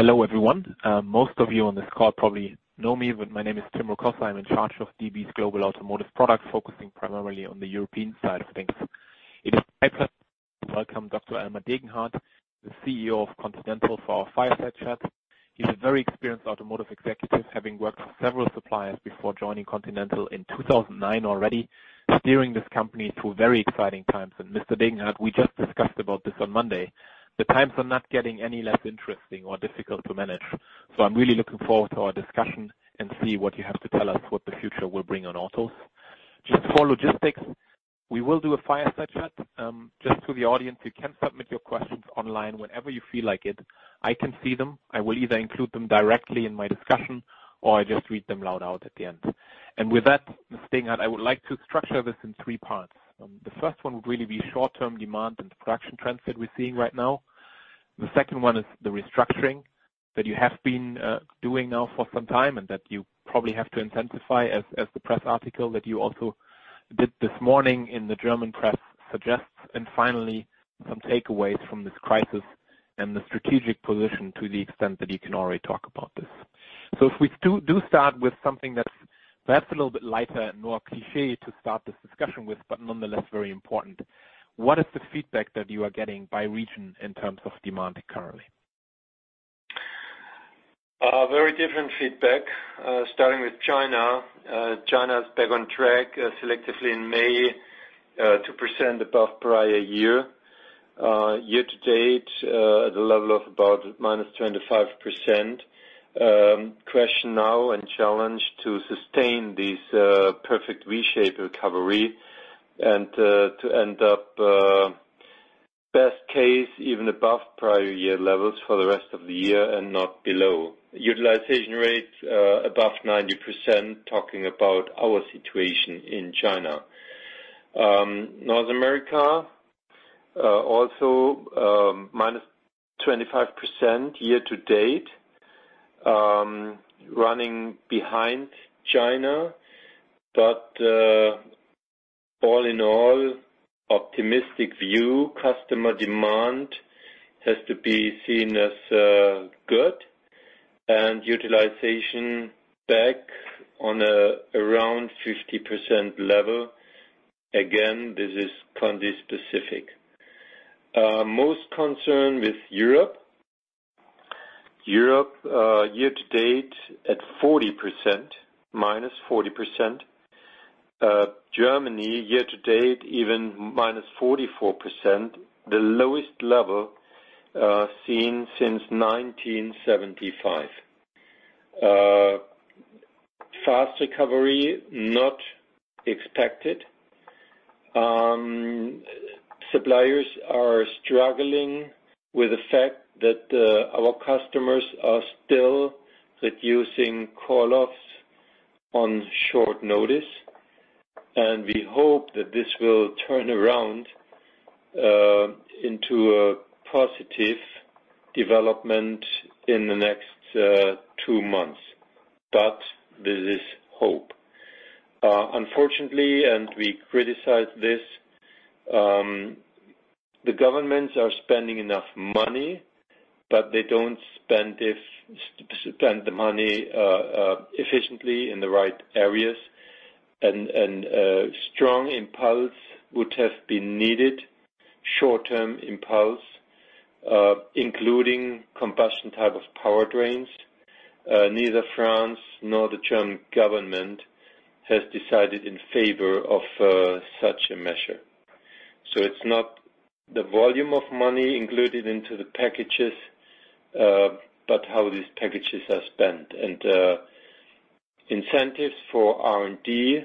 Hello everyone. Most of you on this call probably know me, but my name is Tim Rokossa. I'm in charge of DB's Global Automotive Products, focusing primarily on the European side of things. It is my pleasure to welcome Dr. Elmar Degenhart, the CEO of Continental for our fireside chat. He's a very experienced Automotive Executive, having worked for several suppliers before joining Continental in 2009 already, steering this company through very exciting times. Mr. Degenhart, we just discussed about this on Monday. The times are not getting any less interesting or difficult to manage. I'm really looking forward to our discussion and see what you have to tell us, what the future will bring on autos. Just for logistics, we will do a fireside chat. Just for the audience, you can submit your questions online whenever you feel like it. I can see them. I will either include them directly in my discussion or I just read them out loud at the end. With that, Mr. Degenhart, I would like to structure this in three parts. The first one would really be short-term demand and production trends that we're seeing right now. The second one is the restructuring that you have been doing now for some time and that you probably have to intensify, as the press article that you also did this morning in the German press suggests. Finally, some takeaways from this crisis and the strategic position to the extent that you can already talk about this. If we do start with something that's perhaps a little bit lighter and more cliché to start this discussion with, but nonetheless very important, what is the feedback that you are getting by region in terms of demand currently? Very different feedback, starting with China. China's back on track, selectively in May, 2% above prior year. Year to date, at a level of about -25%. Question now and challenge to sustain this, perfect V-shape recovery and, to end up, best case even above prior year levels for the rest of the year and not below. Utilization rate, above 90%, talking about our situation in China. North America, also, -25% year to date, running behind China. But, all in all, optimistic view. Customer demand has to be seen as, good, and utilization back on a around 50% level. Again, this is country-specific. Most concern with Europe. Europe, year to date at -40%. Germany year to date even -44%, the lowest level, seen since 1975. Fast recovery not expected. Suppliers are struggling with the fact that, our customers are still reducing call-offs on short notice. And we hope that this will turn around into a positive development in the next two months. But this is hope. Unfortunately, and we criticize this, the governments are spending enough money, but they don't spend the money efficiently in the right areas. And a strong impulse would have been needed, short-term impulse, including combustion type of powertrains. Neither France nor the German government has decided in favor of such a measure. So it's not the volume of money included into the packages, but how these packages are spent. And incentives for R&D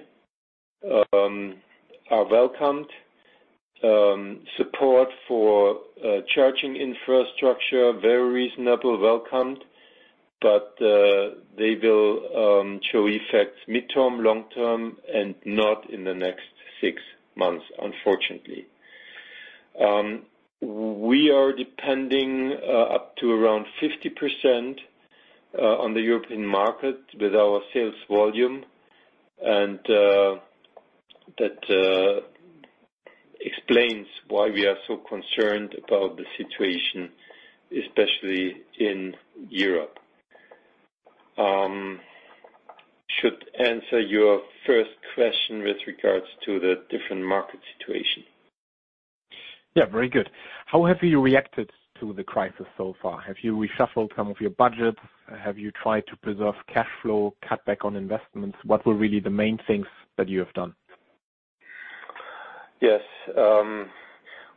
are welcomed. Support for charging infrastructure, very reasonable, welcomed. But they will show effects midterm, long-term, and not in the next six months, unfortunately. We are dependent up to around 50% on the European market with our sales volume. And that explains why we are so concerned about the situation, especially in Europe. Should answer your first question with regards to the different market situation. Yeah, very good. How have you reacted to the crisis so far? Have you reshuffled some of your budgets? Have you tried to preserve cash flow, cut back on investments? What were really the main things that you have done? Yes.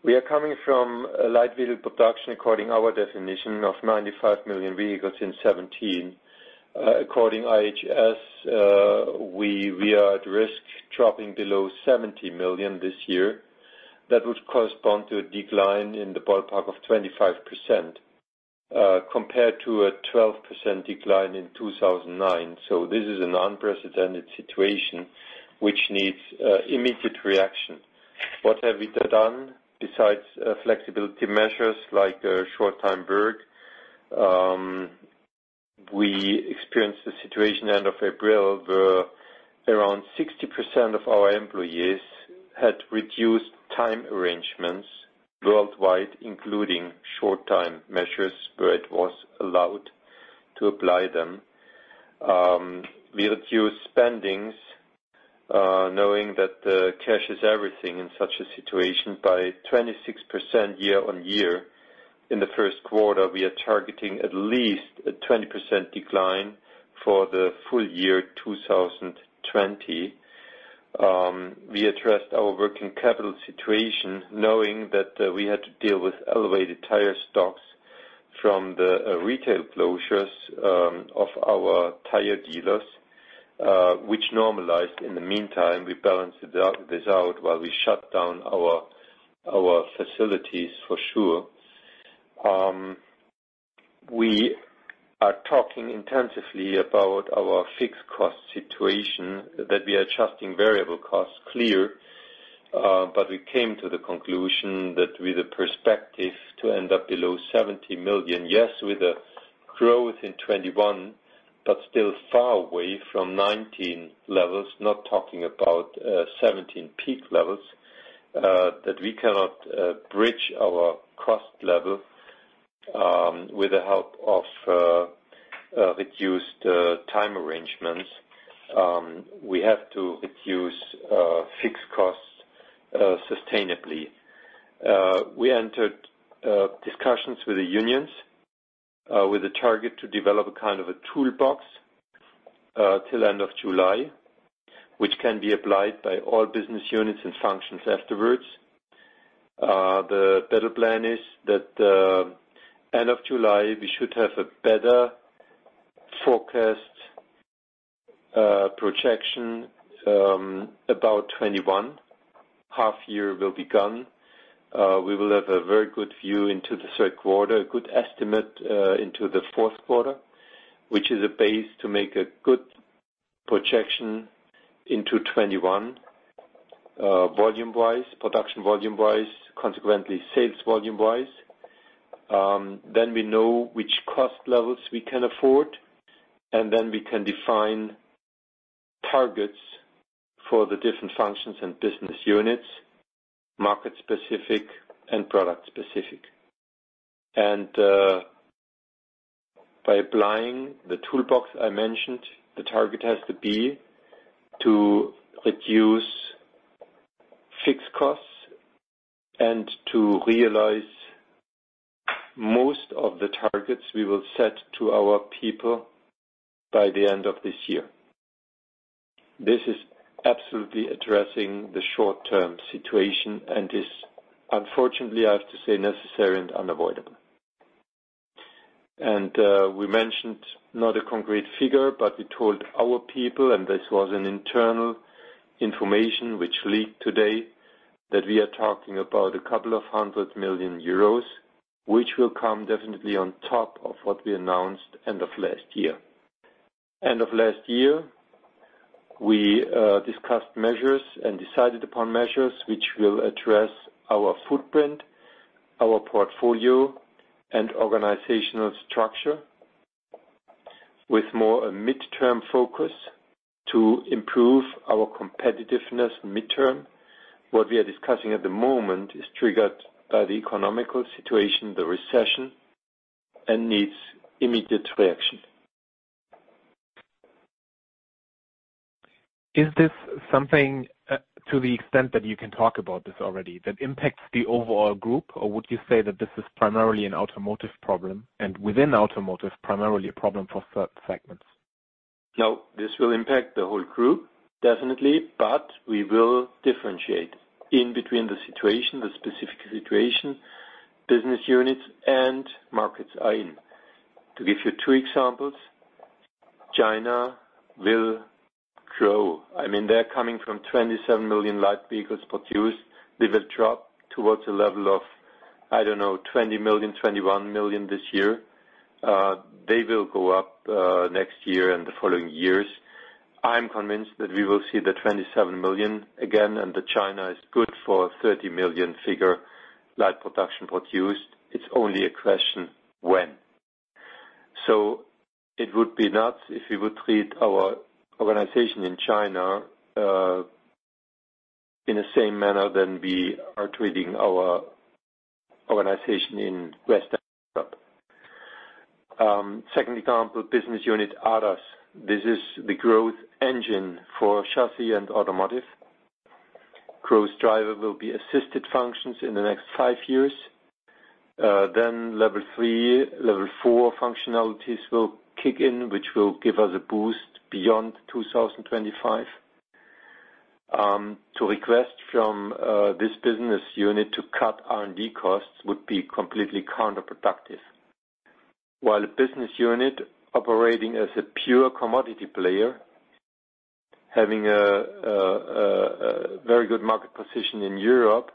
We are coming from a light vehicle production according to our definition of 95 million vehicles in 2017. According to IHS, we are at risk dropping below 70 million this year. That would correspond to a decline in the ballpark of 25%, compared to a 12% decline in 2009. So this is an unprecedented situation which needs immediate reaction. What have we done besides flexibility measures like short-time work? We experienced the situation end of April where around 60% of our employees had reduced time arrangements worldwide, including short-time measures where it was allowed to apply them. We reduced spendings, knowing that cash is everything in such a situation. By 26% year-on-year in the first quarter, we are targeting at least a 20% decline for the full year 2020. We addressed our working capital situation, knowing that we had to deal with elevated tire stocks from the retail closures of our tire dealers, which normalized in the meantime. We balanced this out while we shut down our facilities for sure. We are talking intensively about our fixed cost situation, that we are adjusting variable costs, clear. But we came to the conclusion that with a perspective to end up below 70 million, yes, with a growth in 2021, but still far away from 2019 levels, not talking about 2017 peak levels, that we cannot bridge our cost level with the help of reduced time arrangements. We have to reduce fixed costs sustainably. We entered discussions with the unions, with a target to develop a kind of a toolbox till end of July, which can be applied by all business units and functions afterwards. The better plan is that, end of July, we should have a better forecast, projection, about 2021. Half year will be gone. We will have a very good view into the third quarter, a good estimate, into the fourth quarter, which is a base to make a good projection into 2021, volume-wise, production volume-wise, consequently sales volume-wise. Then we know which cost levels we can afford, and then we can define targets for the different functions and business units, market-specific and product-specific. And, by applying the toolbox I mentioned, the target has to be to reduce fixed costs and to realize most of the targets we will set to our people by the end of this year. This is absolutely addressing the short-term situation and is, unfortunately, I have to say, necessary and unavoidable. We mentioned not a concrete figure, but we told our people, and this was an internal information which leaked today, that we are talking about a couple of hundred million EUR, which will come definitely on top of what we announced end of last year. End of last year, we discussed measures and decided upon measures which will address our footprint, our portfolio, and organizational structure with more a midterm focus to improve our competitiveness midterm. What we are discussing at the moment is triggered by the economic situation, the recession, and needs immediate reaction. Is this something, to the extent that you can talk about this already, that impacts the overall group, or would you say that this is primarily an automotive problem and within automotive primarily a problem for certain segments? No, this will impact the whole group, definitely, but we will differentiate in between the situation, the specific situation, business units, and markets are in. To give you two examples, China will grow. I mean, they're coming from 27 million light vehicles produced. They will drop towards a level of, I don't know, 20 million, 21 million this year. They will go up, next year and the following years. I'm convinced that we will see the 27 million again and that China is good for a 30 million figure light production produced. It's only a question when. So it would be nuts if we would treat our organization in China, in the same manner than we are treating our organization in West Africa. Second example, business unit ADAS. This is the growth engine for chassis and automotive. Growth driver will be assisted functions in the next five years. Then Level 3, Level 4 functionalities will kick in, which will give us a boost beyond 2025. To request from this business unit to cut R&D costs would be completely counterproductive. While a business unit operating as a pure commodity player, having a very good market position in Europe,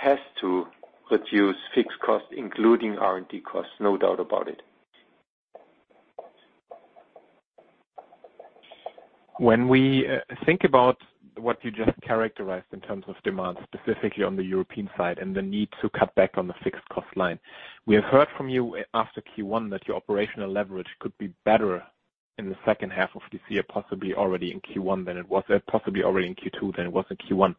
has to reduce fixed costs, including R&D costs, no doubt about it. When we think about what you just characterized in terms of demand, specifically on the European side and the need to cut back on the fixed cost line, we have heard from you after Q1 that your operational leverage could be better in the second half of this year, possibly already in Q1 than it was, possibly already in Q2 than it was in Q1.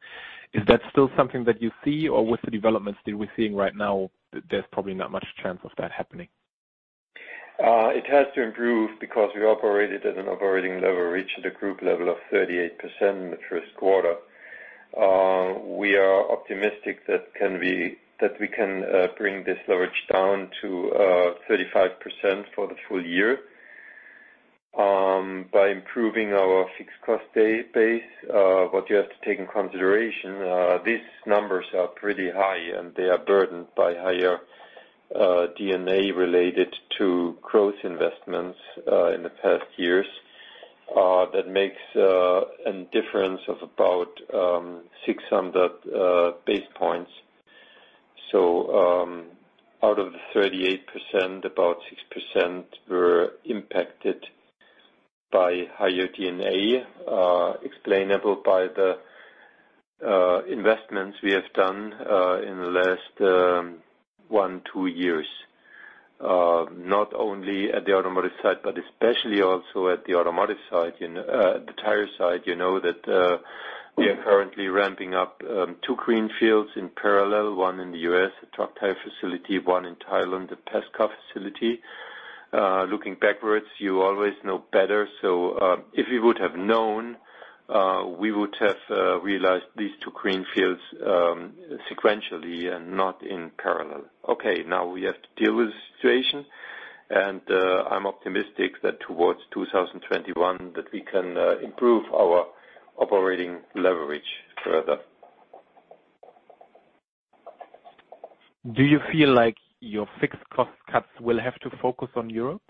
Is that still something that you see, or with the developments that we're seeing right now, there's probably not much chance of that happening? It has to improve because we operated at an operating level reaching the group level of 38% in the first quarter. We are optimistic that can be that we can bring this leverage down to 35% for the full year, by improving our fixed cost base. What you have to take into consideration, these numbers are pretty high, and they are burdened by higher D&A related to growth investments in the past years, that makes a difference of about six hundred basis points. So, out of the 38%, about 6% were impacted by higher D&A, explainable by the investments we have done in the last one, two years. Not only at the automotive side, but especially also at the automotive side, you know, the tire side, you know, that we are currently ramping up two greenfields in parallel, one in the U.S., a truck tire facility, one in Thailand, a passenger car facility. Looking backwards, you always know better. So, if we would have known, we would have realized these two greenfields sequentially and not in parallel. Okay, now we have to deal with the situation, and I'm optimistic that towards 2021 that we can improve our operating leverage further. Do you feel like your fixed cost cuts will have to focus on Europe?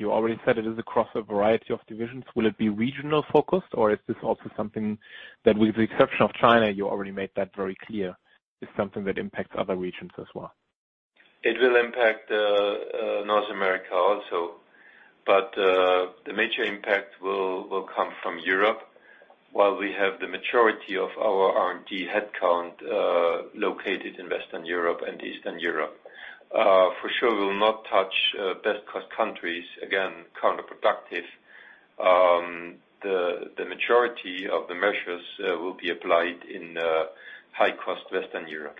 You already said it is across a variety of divisions. Will it be regional focused, or is this also something that, with the exception of China, you already made that very clear, is something that impacts other regions as well? It will impact North America also. But the major impact will come from Europe. While we have the majority of our R&D headcount located in Western Europe and Eastern Europe, for sure we will not touch best-cost countries, again, counterproductive. The majority of the measures will be applied in high-cost Western Europe.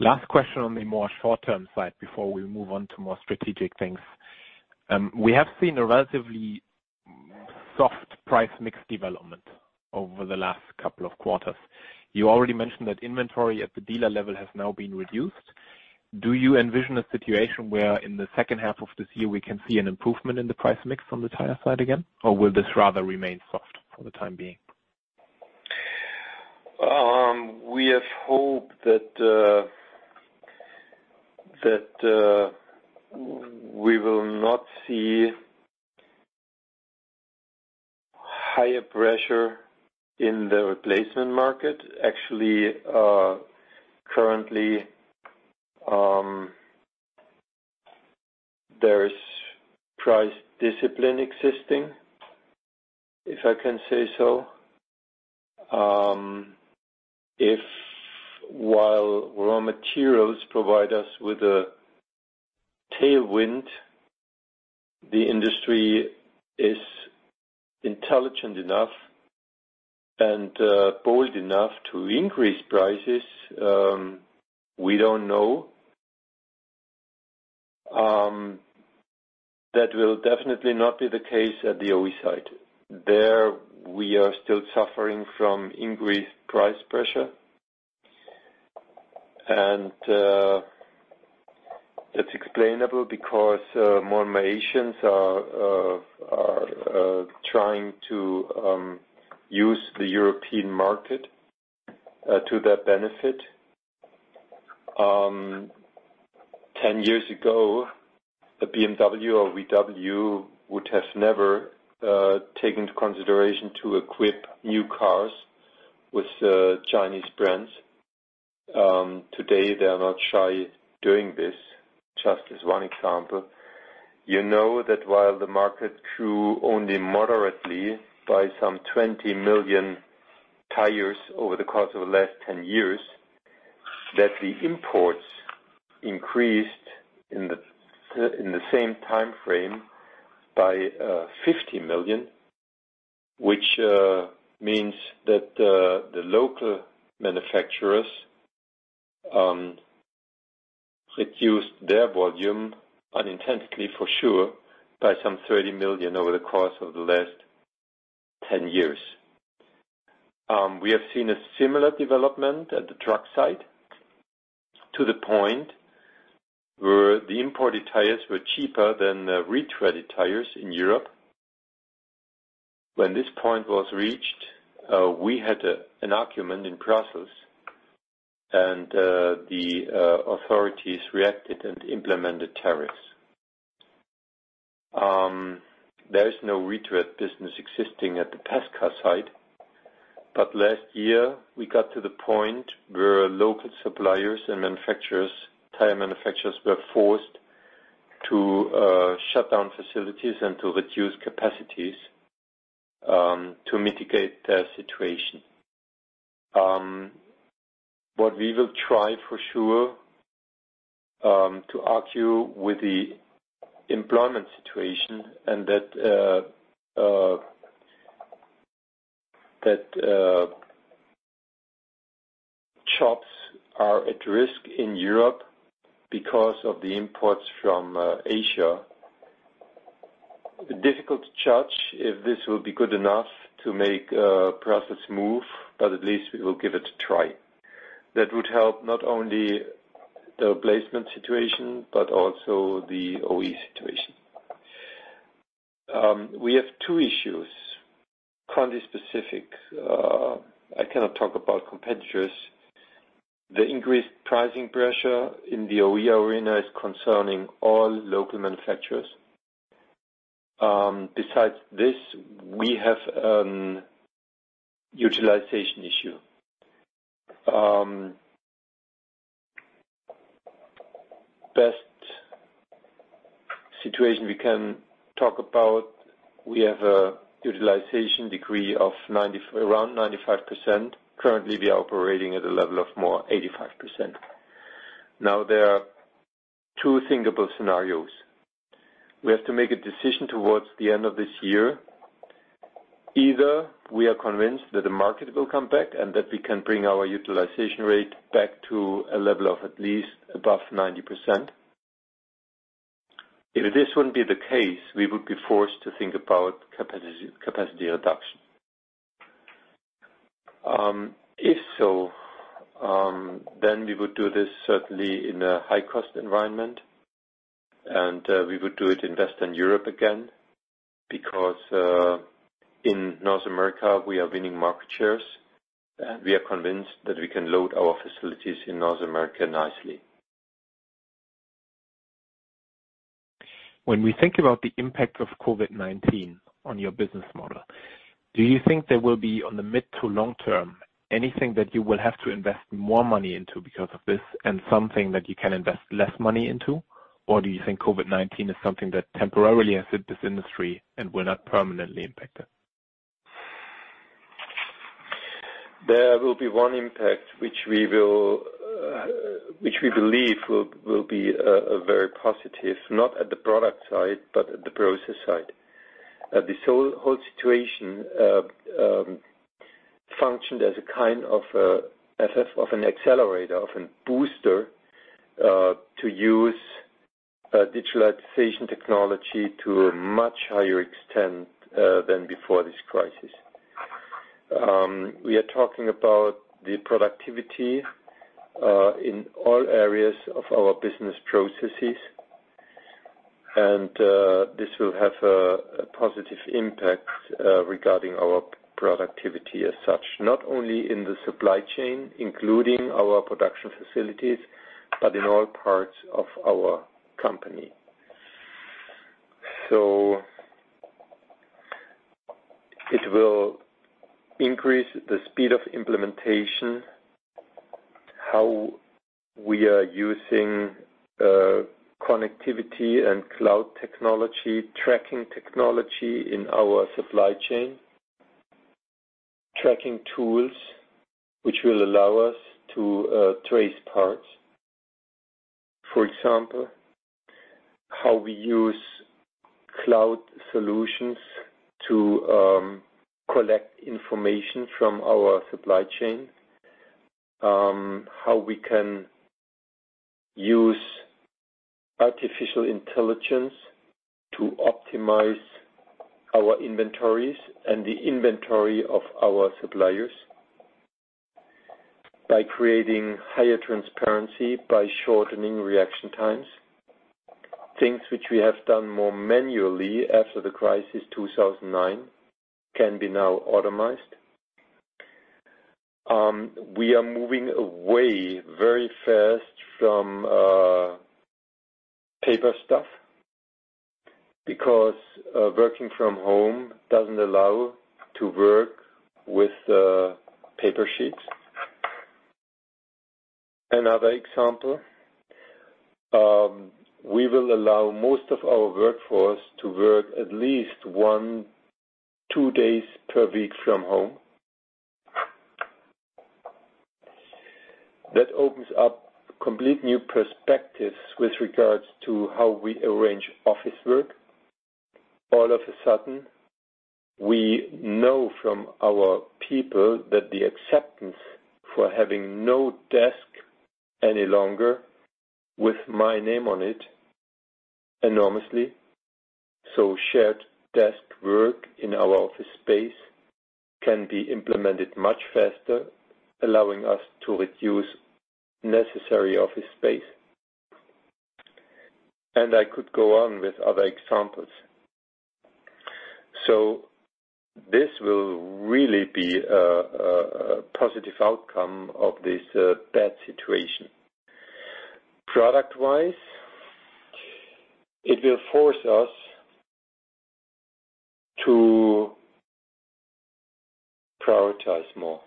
Last question on the more short-term side before we move on to more strategic things. We have seen a relatively soft price mix development over the last couple of quarters. You already mentioned that inventory at the dealer level has now been reduced. Do you envision a situation where in the second half of this year we can see an improvement in the price mix on the tire side again, or will this rather remain soft for the time being? We have hope that we will not see higher pressure in the replacement market. Actually, currently, there is price discipline existing, if I can say so. If while raw materials provide us with a tailwind, the industry is intelligent enough and bold enough to increase prices, we don't know. That will definitely not be the case at the OE side. There we are still suffering from increased price pressure, and that's explainable because more Malaysians are trying to use the European market to their benefit. 10 years ago, a BMW or VW would have never taken into consideration to equip new cars with Chinese brands. Today they are not shy doing this, just as one example. You know that while the market grew only moderately by some 20 million tires over the course of the last 10 years, that the imports increased in the, in the same time frame by, 50 million, which, means that, the local manufacturers, reduced their volume unintentionally for sure by some 30 million over the course of the last 10 years. We have seen a similar development at the truck side to the point where the imported tires were cheaper than the retreaded tires in Europe. When this point was reached, we had a, an argument in Brussels, and, the, authorities reacted and implemented tariffs. There is no retread business existing at the pass car side, but last year we got to the point where local suppliers and manufacturers, tire manufacturers, were forced to, shut down facilities and to reduce capacities, to mitigate their situation. What we will try for sure to argue with the employment situation and that jobs are at risk in Europe because of the imports from Asia. Difficult to judge if this will be good enough to make Brussels move, but at least we will give it a try. That would help not only the replacement situation but also the OE situation. We have two issues, quantity specific. I cannot talk about competitors. The increased pricing pressure in the OE arena is concerning all local manufacturers. Besides this, we have a utilization issue. Best situation we can talk about, we have a utilization degree of 90, around 95%. Currently, we are operating at a level of more 85%. Now, there are two thinkable scenarios. We have to make a decision towards the end of this year. Either we are convinced that the market will come back and that we can bring our utilization rate back to a level of at least above 90%. If this wouldn't be the case, we would be forced to think about capacity, capacity reduction. If so, then we would do this certainly in a high cost environment, and we would do it in Western Europe again because in North America we are winning market shares, and we are convinced that we can load our facilities in North America nicely. When we think about the impact of COVID-19 on your business model, do you think there will be on the mid to long term anything that you will have to invest more money into because of this and something that you can invest less money into, or do you think COVID-19 is something that temporarily has hit this industry and will not permanently impact it? There will be one impact which we believe will be a very positive, not at the product side but at the process side. This whole situation functioned as a kind of an accelerator, of a booster, to use digitalization technology to a much higher extent than before this crisis. We are talking about the productivity in all areas of our business processes, and this will have a positive impact regarding our productivity as such, not only in the supply chain, including our production facilities, but in all parts of our company. So it will increase the speed of implementation, how we are using connectivity and cloud technology, tracking technology in our supply chain, tracking tools which will allow us to trace parts. For example, how we use cloud solutions to collect information from our supply chain, how we can use artificial intelligence to optimize our inventories and the inventory of our suppliers by creating higher transparency, by shortening reaction times. Things which we have done more manually after the crisis 2009 can now be automated. We are moving away very fast from paper stuff because working from home doesn't allow to work with paper sheets. Another example, we will allow most of our workforce to work at least one, two days per week from home. That opens up complete new perspectives with regards to how we arrange office work. All of a sudden, we know from our people that the acceptance for having no desk any longer with my name on it enormously. Shared desk work in our office space can be implemented much faster, allowing us to reduce necessary office space. I could go on with other examples. This will really be a positive outcome of this bad situation. Product-wise, it will force us to prioritize more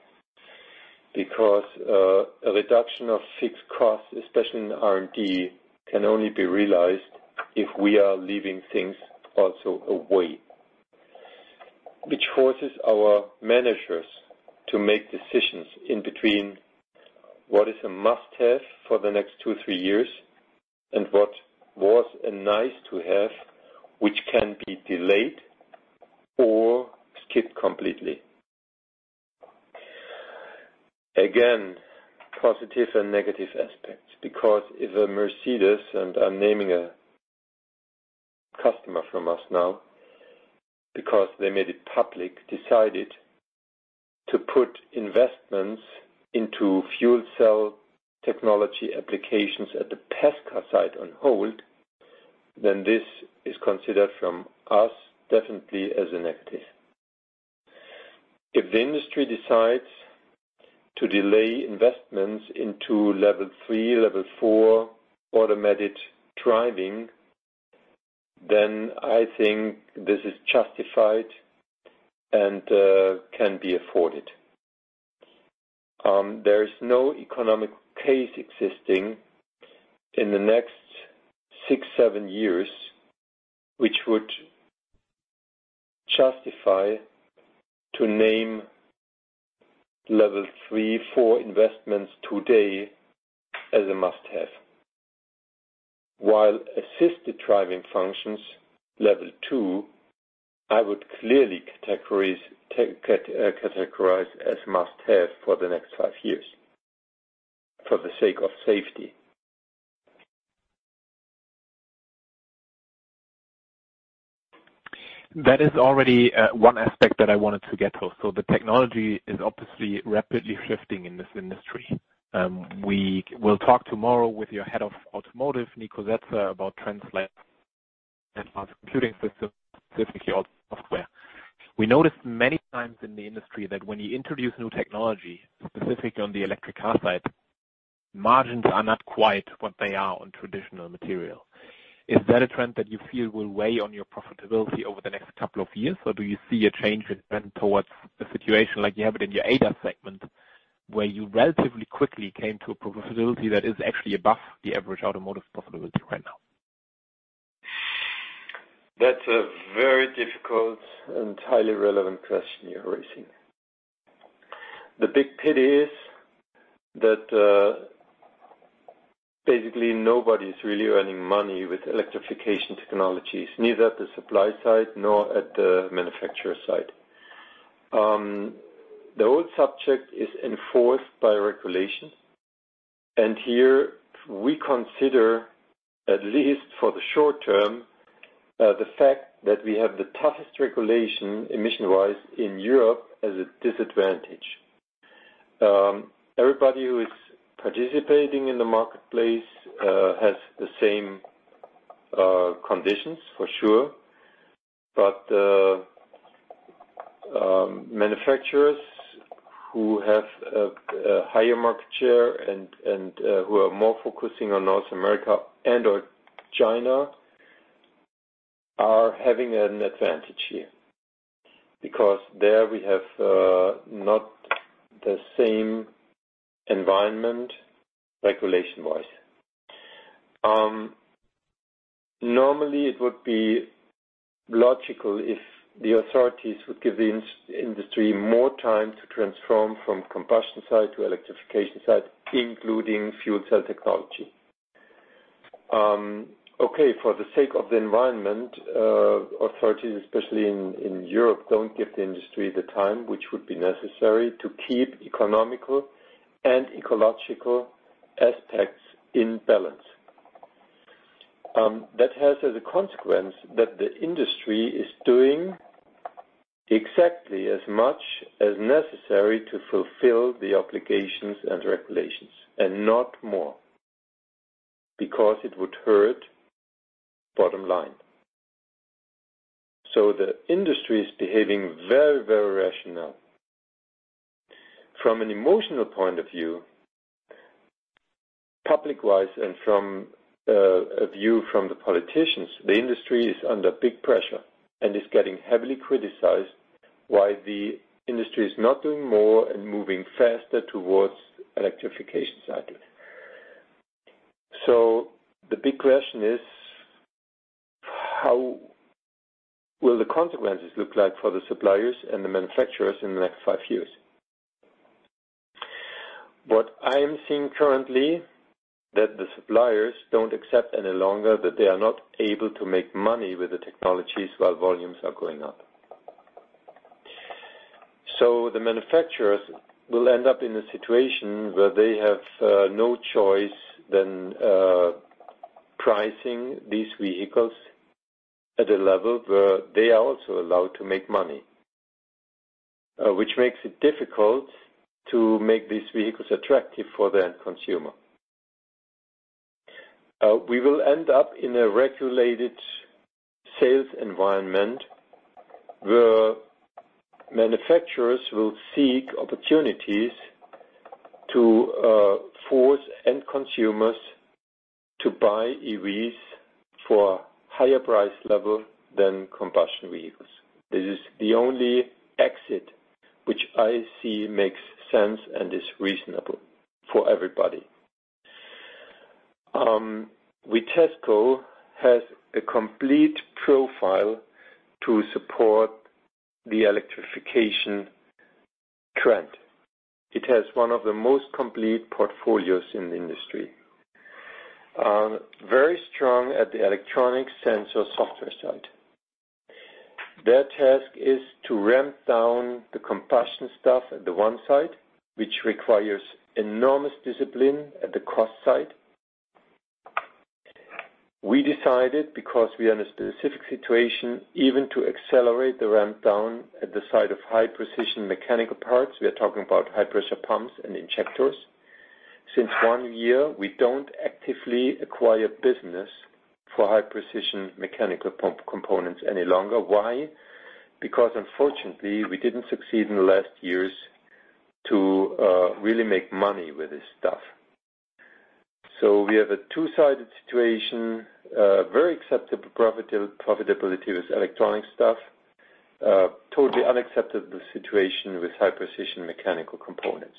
because a reduction of fixed costs, especially in R&D, can only be realized if we are leaving things also away, which forces our managers to make decisions in between what is a must-have for the next two, three years and what was a nice-to-have, which can be delayed or skipped completely. Again, positive and negative aspects because if a Mercedes, and I'm naming a customer from us now because they made it public, decided to put investments into fuel cell technology applications at the Vitesco side on hold, then this is considered from us definitely as a negative. If the industry decides to delay investments into Level 3, Level 4 automated driving, then I think this is justified and can be afforded. There is no economic case existing in the next six, seven years which would justify to name Level 3, Level 4 investments today as a must-have. While assisted driving functions, Level 2, I would clearly categorize as must-have for the next five years for the sake of safety. That is already one aspect that I wanted to get to so the technology is obviously rapidly shifting in this industry. We will talk tomorrow with your head of automotive, Nikolai Setzer, about trends like Advanced Computing Systems, specifically auto software. We noticed many times in the industry that when you introduce new technology, specifically on the electric car side, margins are not quite what they are on traditional material. Is that a trend that you feel will weigh on your profitability over the next couple of years, or do you see a change in trend towards a situation like you have it in your ADAS segment where you relatively quickly came to a profitability that is actually above the average automotive profitability right now? That's a very difficult and highly relevant question you're raising. The big pit is that, basically nobody's really earning money with electrification technologies, neither at the supply side nor at the manufacturer side. The whole subject is enforced by regulation, and here we consider, at least for the short term, the fact that we have the toughest regulation emission-wise in Europe as a disadvantage. Everybody who is participating in the marketplace has the same conditions for sure, but manufacturers who have a higher market share and who are more focusing on North America and/or China are having an advantage here because there we have not the same environmental regulation-wise. Normally it would be logical if the authorities would give the industry more time to transform from combustion side to electrification side, including fuel cell technology. Okay, for the sake of the environment, authorities, especially in Europe, don't give the industry the time which would be necessary to keep economical and ecological aspects in balance. That has as a consequence that the industry is doing exactly as much as necessary to fulfill the obligations and regulations and not more because it would hurt bottom line. So the industry is behaving very, very rationally. From an emotional point of view, public-wise and from a view from the politicians, the industry is under big pressure and is getting heavily criticized why the industry is not doing more and moving faster towards electrification cycles. So the big question is how will the consequences look like for the suppliers and the manufacturers in the next five years? What I am seeing currently is that the suppliers don't accept any longer that they are not able to make money with the technologies while volumes are going up. So the manufacturers will end up in a situation where they have no choice than pricing these vehicles at a level where they are also allowed to make money, which makes it difficult to make these vehicles attractive for the end consumer. We will end up in a regulated sales environment where manufacturers will seek opportunities to force end consumers to buy EVs for a higher price level than combustion vehicles. This is the only exit which I see makes sense and is reasonable for everybody. Vitesco has a complete profile to support the electrification trend. It has one of the most complete portfolios in the industry, very strong at the electronic sensor software side. Their task is to ramp down the combustion stuff at the one side, which requires enormous discipline at the cost side. We decided, because we are in a specific situation, even to accelerate the ramp down at the side of high-precision mechanical parts. We are talking about high-pressure pumps and injectors. Since one year, we don't actively acquire business for high-precision mechanical pump components any longer. Why? Because unfortunately, we didn't succeed in the last years to really make money with this stuff. So we have a two-sided situation, very acceptable profitability with electronic stuff, totally unacceptable situation with high-precision mechanical components.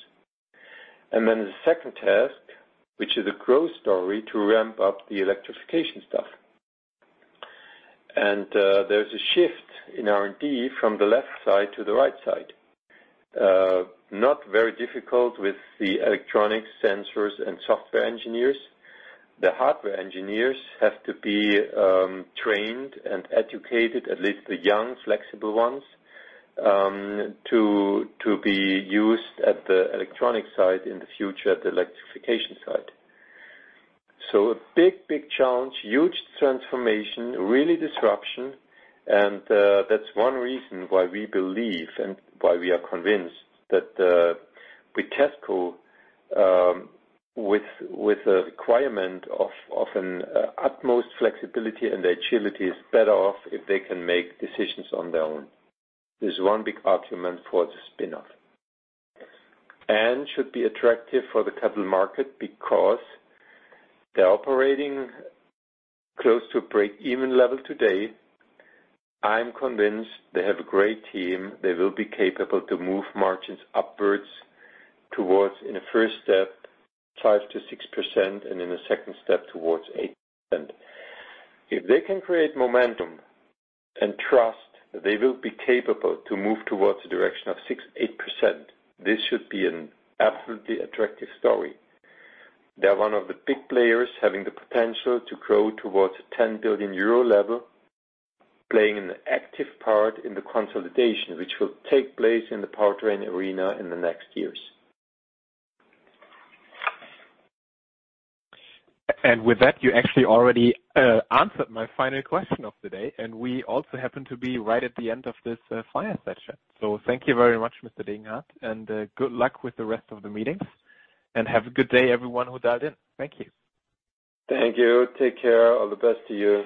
And then the second task, which is a growth story, to ramp up the electrification stuff. And there's a shift in R&D from the left side to the right side. Not very difficult with the electronic sensors and software engineers. The hardware engineers have to be trained and educated, at least the young, flexible ones, to be used at the electronic side in the future, at the electrification side, so a big, big challenge, huge transformation, really disruption, and that's one reason why we believe and why we are convinced that Vitesco with a requirement of an utmost flexibility and agility is better off if they can make decisions on their own. This is one big argument for the spin-off and should be attractive for the capital market because they're operating close to a break-even level today. I'm convinced they have a great team. They will be capable to move margins upwards towards, in a first step, 5-6%, and in a second step, towards 8%. If they can create momentum and trust, they will be capable to move towards a direction of 6-8%. This should be an absolutely attractive story. They're one of the big players having the potential to grow towards a 10 billion euro level, playing an active part in the consolidation, which will take place in the powertrain arena in the next years. And with that, you actually already answered my final question of the day, and we also happen to be right at the end of this first session. So thank you very much, Mr. Degenhart, and good luck with the rest of the meetings, and have a good day, everyone who dialed in. Thank you. Thank you. Take care. All the best to you.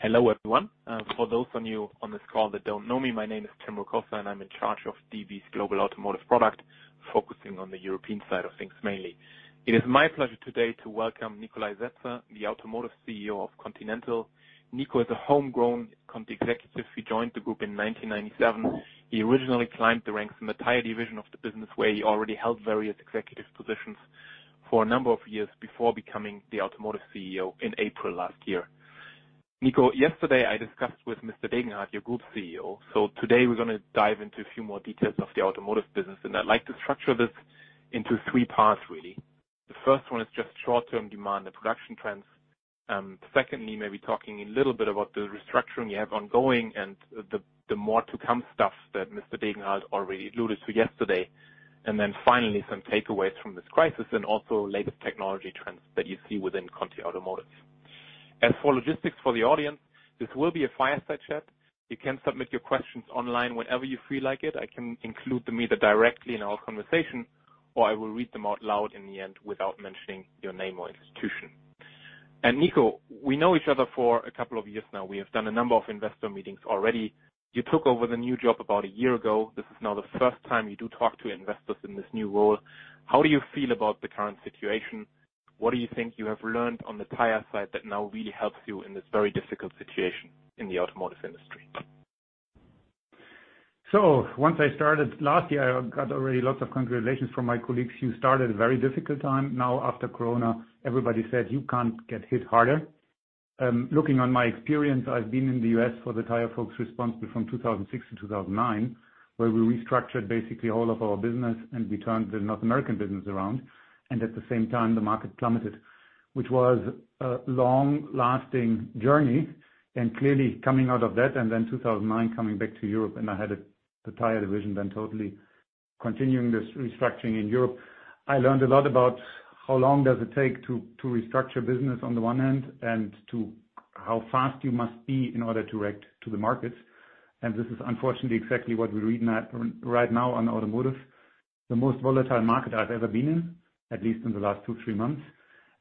Hello everyone. For those of you on this call that don't know me, my name is Tim Rokossa, and I'm in charge of DB's global automotive product, focusing on the European side of things mainly. It is my pleasure today to welcome Nikolai Setzer, the automotive CEO of Continental. Nikolai is a homegrown executive. He joined the group in 1997. He originally climbed the ranks in the tire division of the business, where he already held various executive positions for a number of years before becoming the automotive CEO in April last year. Nikolai, yesterday I discussed with Mr. Degenhart, your group CEO. Today we're gonna dive into a few more details of the automotive business, and I'd like to structure this into three parts, really. The first one is just short-term demand and production trends. Secondly, maybe talking a little bit about the restructuring you have ongoing and the, the more to come stuff that Mr. Degenhart already alluded to yesterday. And then finally, some takeaways from this crisis and also latest technology trends that you see within Conti Automotive. As for logistics for the audience, this will be a fireside chat. You can submit your questions online whenever you feel like it. I can include them either directly in our conversation or I will read them out loud in the end without mentioning your name or institution. And Nico, we know each other for a couple of years now. We have done a number of investor meetings already. You took over the new job about a year ago. This is now the first time you do talk to investors in this new role. How do you feel about the current situation? What do you think you have learned on the tire side that now really helps you in this very difficult situation in the automotive industry? So once I started last year, I got already lots of congratulations from my colleagues. You started a very difficult time. Now, after Corona, everybody said you can't get hit harder. Looking on my experience, I've been in the U.S. for the tire folks responsible from 2006-2009, where we restructured basically all of our business, and we turned the North American business around. And at the same time, the market plummeted, which was a long-lasting journey. And clearly, coming out of that, and then 2009, coming back to Europe, and I had the tire division then totally continuing this restructuring in Europe. I learned a lot about how long does it take to restructure business on the one hand and to how fast you must be in order to react to the markets. And this is unfortunately exactly what we're reading right now on automotive, the most volatile market I've ever been in, at least in the last two, three months.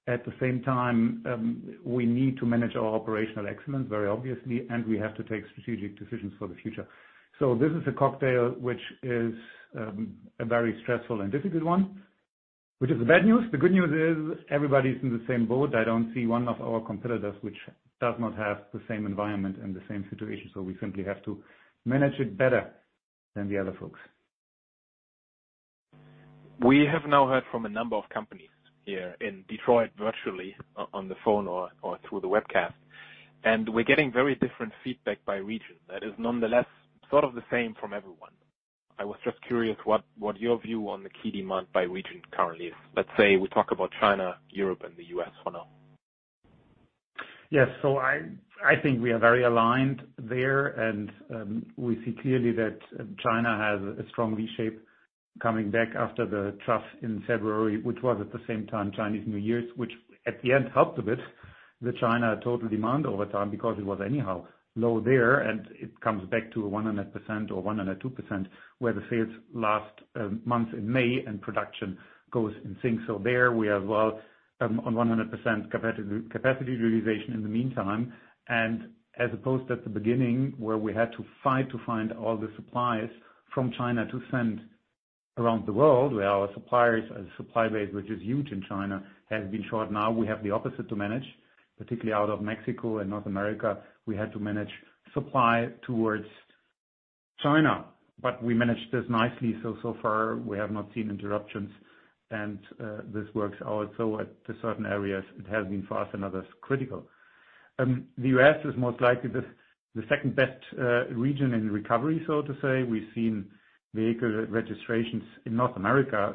At the same time, we need to manage our operational excellence, very obviously, and we have to take strategic decisions for the future. So this is a cocktail which is a very stressful and difficult one, which is the bad news. The good news is everybody's in the same boat. I don't see one of our competitors which does not have the same environment and the same situation. So we simply have to manage it better than the other folks. We have now heard from a number of companies here in Detroit virtually on the phone or through the webcast, and we're getting very different feedback by region. That is nonetheless sort of the same from everyone. I was just curious what your view on the key demand by region currently is. Let's say we talk about China, Europe, and the U.S. for now. Yes. So I, I think we are very aligned there, and we see clearly that China has a strong V-shape coming back after the trough in February, which was at the same time Chinese New Year's, which at the end helped a bit the China total demand over time because it was anyhow low there. It comes back to 100% or 102% where the sales last month in May and production goes in sync. So there we are as well, on 100% capacity, capacity utilization in the meantime. As opposed to at the beginning where we had to fight to find all the supplies from China to send around the world, where our suppliers, our supply base, which is huge in China, has been short. Now we have the opposite to manage, particularly out of Mexico and North America. We had to manage supply towards China, but we managed this nicely, so far we have not seen interruptions, and this works out. In certain areas, it has been fast and others critical. The U.S. is most likely the second best region in recovery, so to say. We've seen vehicle registrations in North America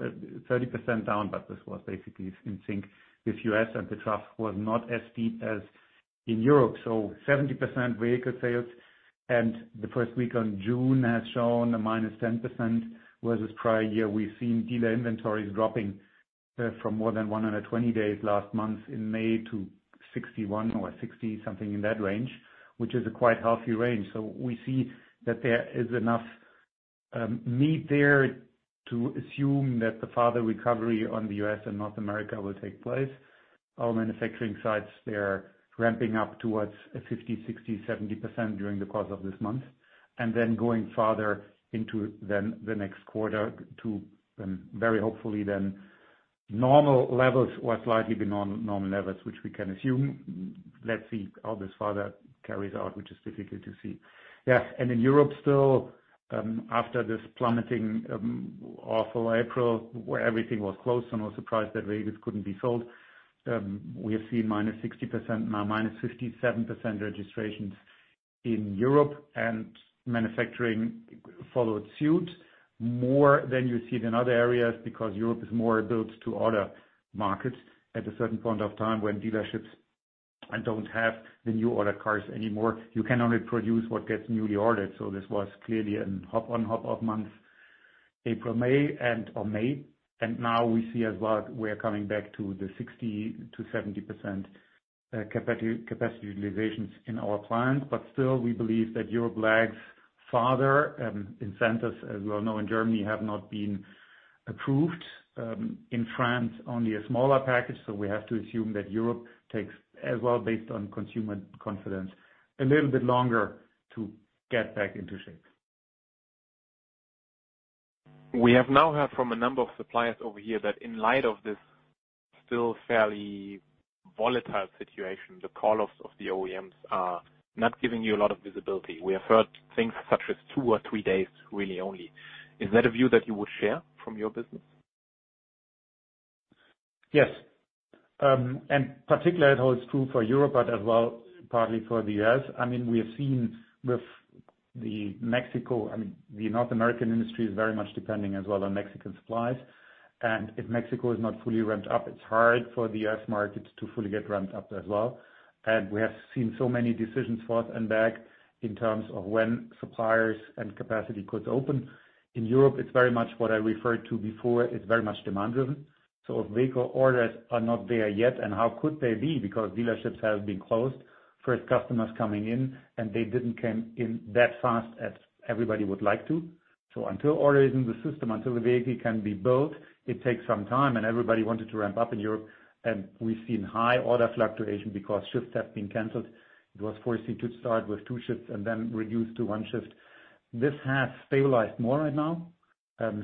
30% down, but this was basically in sync with U.S., and the trough was not as deep as in Europe, so 70% vehicle sales, and the first week of June has shown a -10% versus prior year. We've seen dealer inventories dropping from more than 120 days last month in May to 61 or 60, something in that range, which is a quite healthy range, so we see that there is enough meat there to assume that the further recovery in the U.S. and North America will take place. Our manufacturing sites, they're ramping up towards 50%, 60%, 70% during the course of this month, and then going further into the next quarter to, very hopefully, normal levels or slightly below normal levels, which we can assume. Let's see how this further carries out, which is difficult to see. Yeah, and in Europe still, after this plummeting, awful April where everything was closed, so no surprise that vehicles couldn't be sold. We have seen -60%, now -57% registrations in Europe, and manufacturing followed suit more than you see in other areas because Europe is more build-to-order markets at a certain point of time when dealerships don't have the newly ordered cars anymore. You can only produce what gets newly ordered. So this was clearly a hop-on, hop-off month, April, May, and or May. Now we see as well, we are coming back to the 60%-70% capacity utilizations in our clients. But still, we believe that Europe lags farther. Incentives, as we all know, in Germany have not been approved. In France, only a smaller package. We have to assume that Europe takes as well, based on consumer confidence, a little bit longer to get back into shape. We have now heard from a number of suppliers over here that in light of this still fairly volatile situation, the call-offs of the OEMs are not giving you a lot of visibility. We have heard things such as two or three days really only. Is that a view that you would share from your business? Yes, and particularly it holds true for Europe, but as well partly for the U.S. I mean, we have seen with the Mexico, I mean, the North American industry is very much depending as well on Mexican supplies. And if Mexico is not fully ramped up, it's hard for the U.S. market to fully get ramped up as well. And we have seen so many decisions back and forth in terms of when suppliers and capacity could open. In Europe, it's very much what I referred to before. It's very much demand-driven. So if vehicle orders are not there yet, and how could they be? Because dealerships have been closed, first customers coming in, and they didn't come in that fast as everybody would like to. So until order is in the system, until the vehicle can be built, it takes some time. Everybody wanted to ramp up in Europe, and we've seen high order fluctuation because shifts have been canceled. It was forced to start with two shifts and then reduced to one shift. This has stabilized more right now,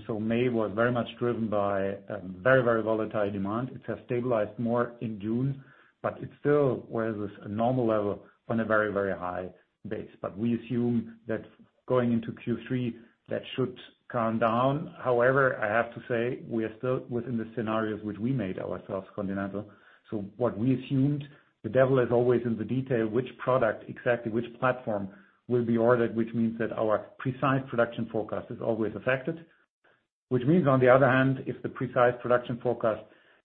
so May was very much driven by very, very volatile demand. It has stabilized more in June, but it still was a normal level on a very, very high base, but we assume that going into Q3, that should calm down. However, I have to say we are still within the scenarios which we made ourselves, Continental. So what we assumed, the devil is always in the detail, which product exactly, which platform will be ordered, which means that our precise production forecast is always affected, which means on the other hand, if the precise production forecast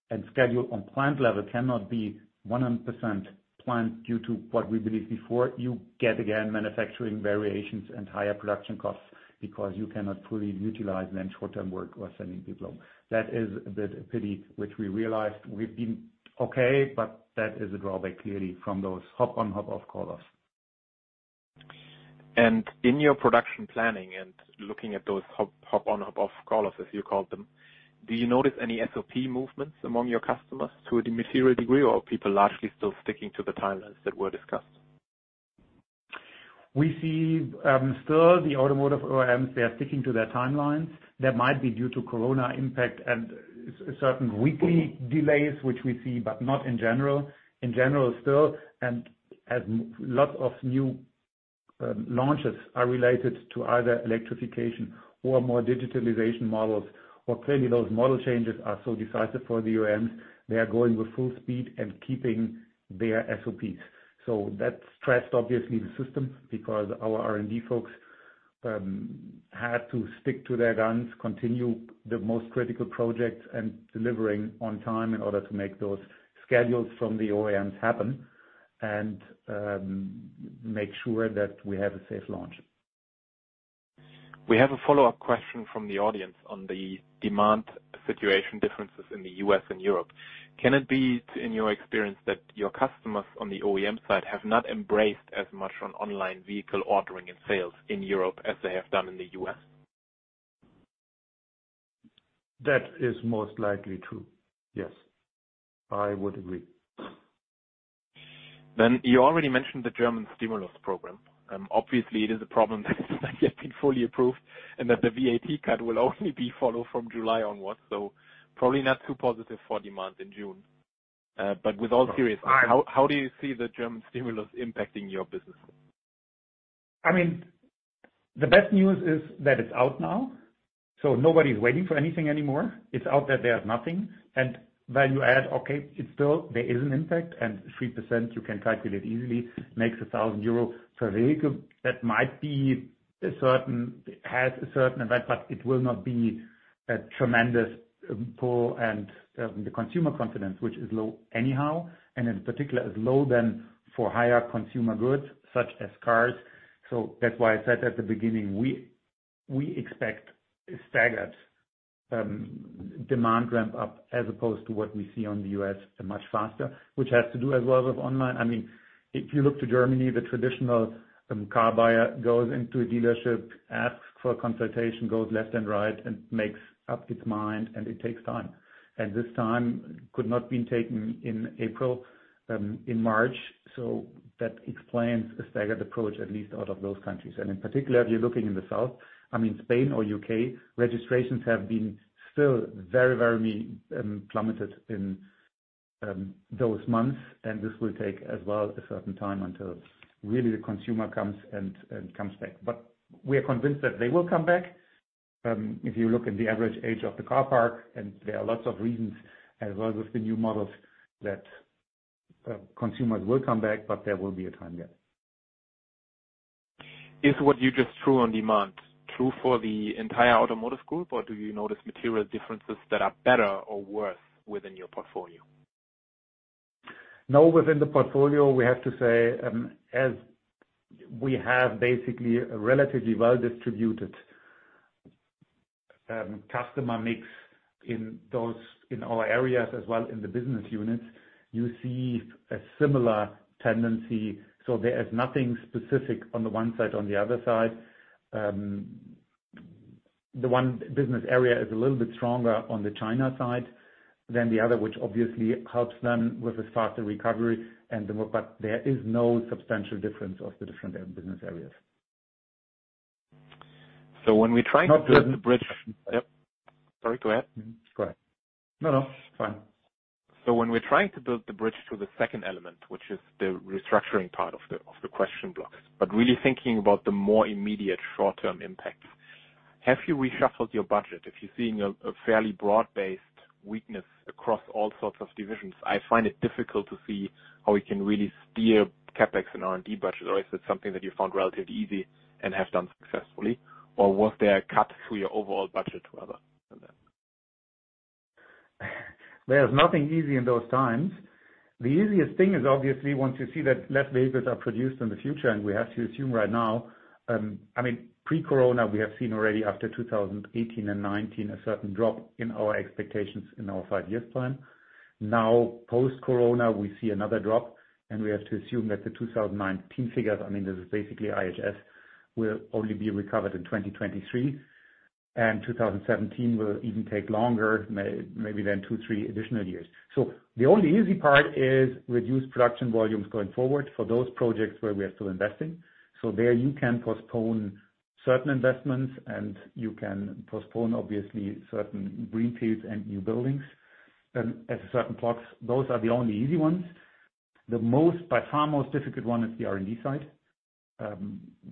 and schedule on plant level cannot be 100% planned due to what we believe before, you get again manufacturing variations and higher production costs because you cannot fully utilize then short-term work or sending people home. That is a bit of a pity, which we realized. We've been okay, but that is a drawback clearly from those hop-on, hop-off call-offs. In your production planning and looking at those hop-on, hop-off call-offs, as you called them, do you notice any SOP movements among your customers to a degree or are people largely still sticking to the timelines that were discussed? We see still the automotive OEMs, they are sticking to their timelines. That might be due to Corona impact and certain weekly delays, which we see, but not in general, in general still. And as lots of new launches are related to either electrification or more digitalization models, or clearly those model changes are so decisive for the OEMs, they are going with full speed and keeping their SOPs. So that stressed obviously the system because our R&D folks had to stick to their guns, continue the most critical projects and delivering on time in order to make those schedules from the OEMs happen and make sure that we have a safe launch. We have a follow-up question from the audience on the demand situation differences in the U.S. and Europe. Can it be in your experience that your customers on the OEM side have not embraced as much on online vehicle ordering and sales in Europe as they have done in the U.S.? That is most likely true. Yes, I would agree. Then you already mentioned the German stimulus program. Obviously it is a problem that it's not yet been fully approved and that the VAT cut will only be followed from July onwards. So probably not too positive for demand in June. But with all seriousness, how, how do you see the German stimulus impacting your business? I mean, the best news is that it's out now. So nobody's waiting for anything anymore. It's out that there's nothing. And value add, okay, it's still there is an impact. And 3% you can calculate easily makes 1,000 euro per vehicle. That might be a certain, has a certain effect, but it will not be a tremendous pull. And, the consumer confidence, which is low anyhow, and in particular is low then for higher consumer goods such as cars. So that's why I said at the beginning we expect a staggered demand ramp up as opposed to what we see in the U.S. and much faster, which has to do as well with online. I mean, if you look to Germany, the traditional car buyer goes into a dealership, asks for a consultation, goes left and right, and makes up its mind, and it takes time. This time could not be taken in April, in March. That explains a staggered approach, at least out of those countries. In particular, if you're looking in the south, I mean, Spain or U.K., registrations have been still very, very low, plummeted in those months. This will take as well a certain time until really the consumer comes and comes back. We are convinced that they will come back. If you look at the average age of the car park, and there are lots of reasons as well with the new models that, consumers will come back, but there will be a time there. Is what you just threw on demand true for the entire automotive group, or do you notice material differences that are better or worse within your portfolio? No, within the portfolio, we have to say, as we have basically a relatively well-distributed, customer mix in those, in our areas as well in the business units, you see a similar tendency. So there is nothing specific on the one side, on the other side. The one business area is a little bit stronger on the China side than the other, which obviously helps them with a faster recovery and the more, but there is no substantial difference of the different business areas. So when we try to build the bridge, sorry, go ahead. Go ahead. No, no, it's fine. So when we're trying to build the bridge to the second element, which is the restructuring part of the question blocks, but really thinking about the more immediate short-term impacts, have you reshuffled your budget? If you're seeing a fairly broad-based weakness across all sorts of divisions, I find it difficult to see how we can really steer CapEx and R&D budget. Or is it something that you found relatively easy and have done successfully, or was there a cut through your overall budget rather than that? There's nothing easy in those times. The easiest thing is obviously once you see that less vehicles are produced in the future, and we have to assume right now, I mean, pre-Corona, we have seen already after 2018 and 2019 a certain drop in our expectations in our five-year plan. Now post-Corona, we see another drop, and we have to assume that the 2019 figures, I mean, this is basically IHS, will only be recovered in 2023, and 2017 will even take longer, may, maybe then two, three additional years. So the only easy part is reduce production volumes going forward for those projects where we are still investing. So there you can postpone certain investments, and you can postpone obviously certain greenfields and new buildings, as certain blocks. Those are the only easy ones. The most, by far most difficult one is the R&D side,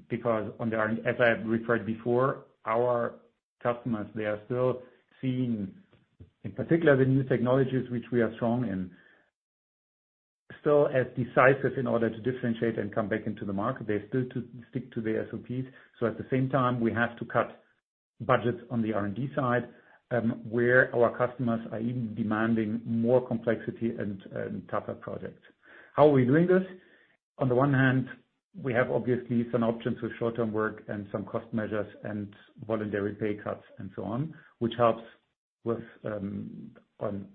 because on the R&D, as I referred before, our customers, they are still seeing in particular the new technologies, which we are strong in, still as decisive in order to differentiate and come back into the market. They still stick to their SOPs. So at the same time, we have to cut budgets on the R&D side, where our customers are even demanding more complexity and, and tougher projects. How are we doing this? On the one hand, we have obviously some options with short-term work and some cost measures and voluntary pay cuts and so on, which helps with, on,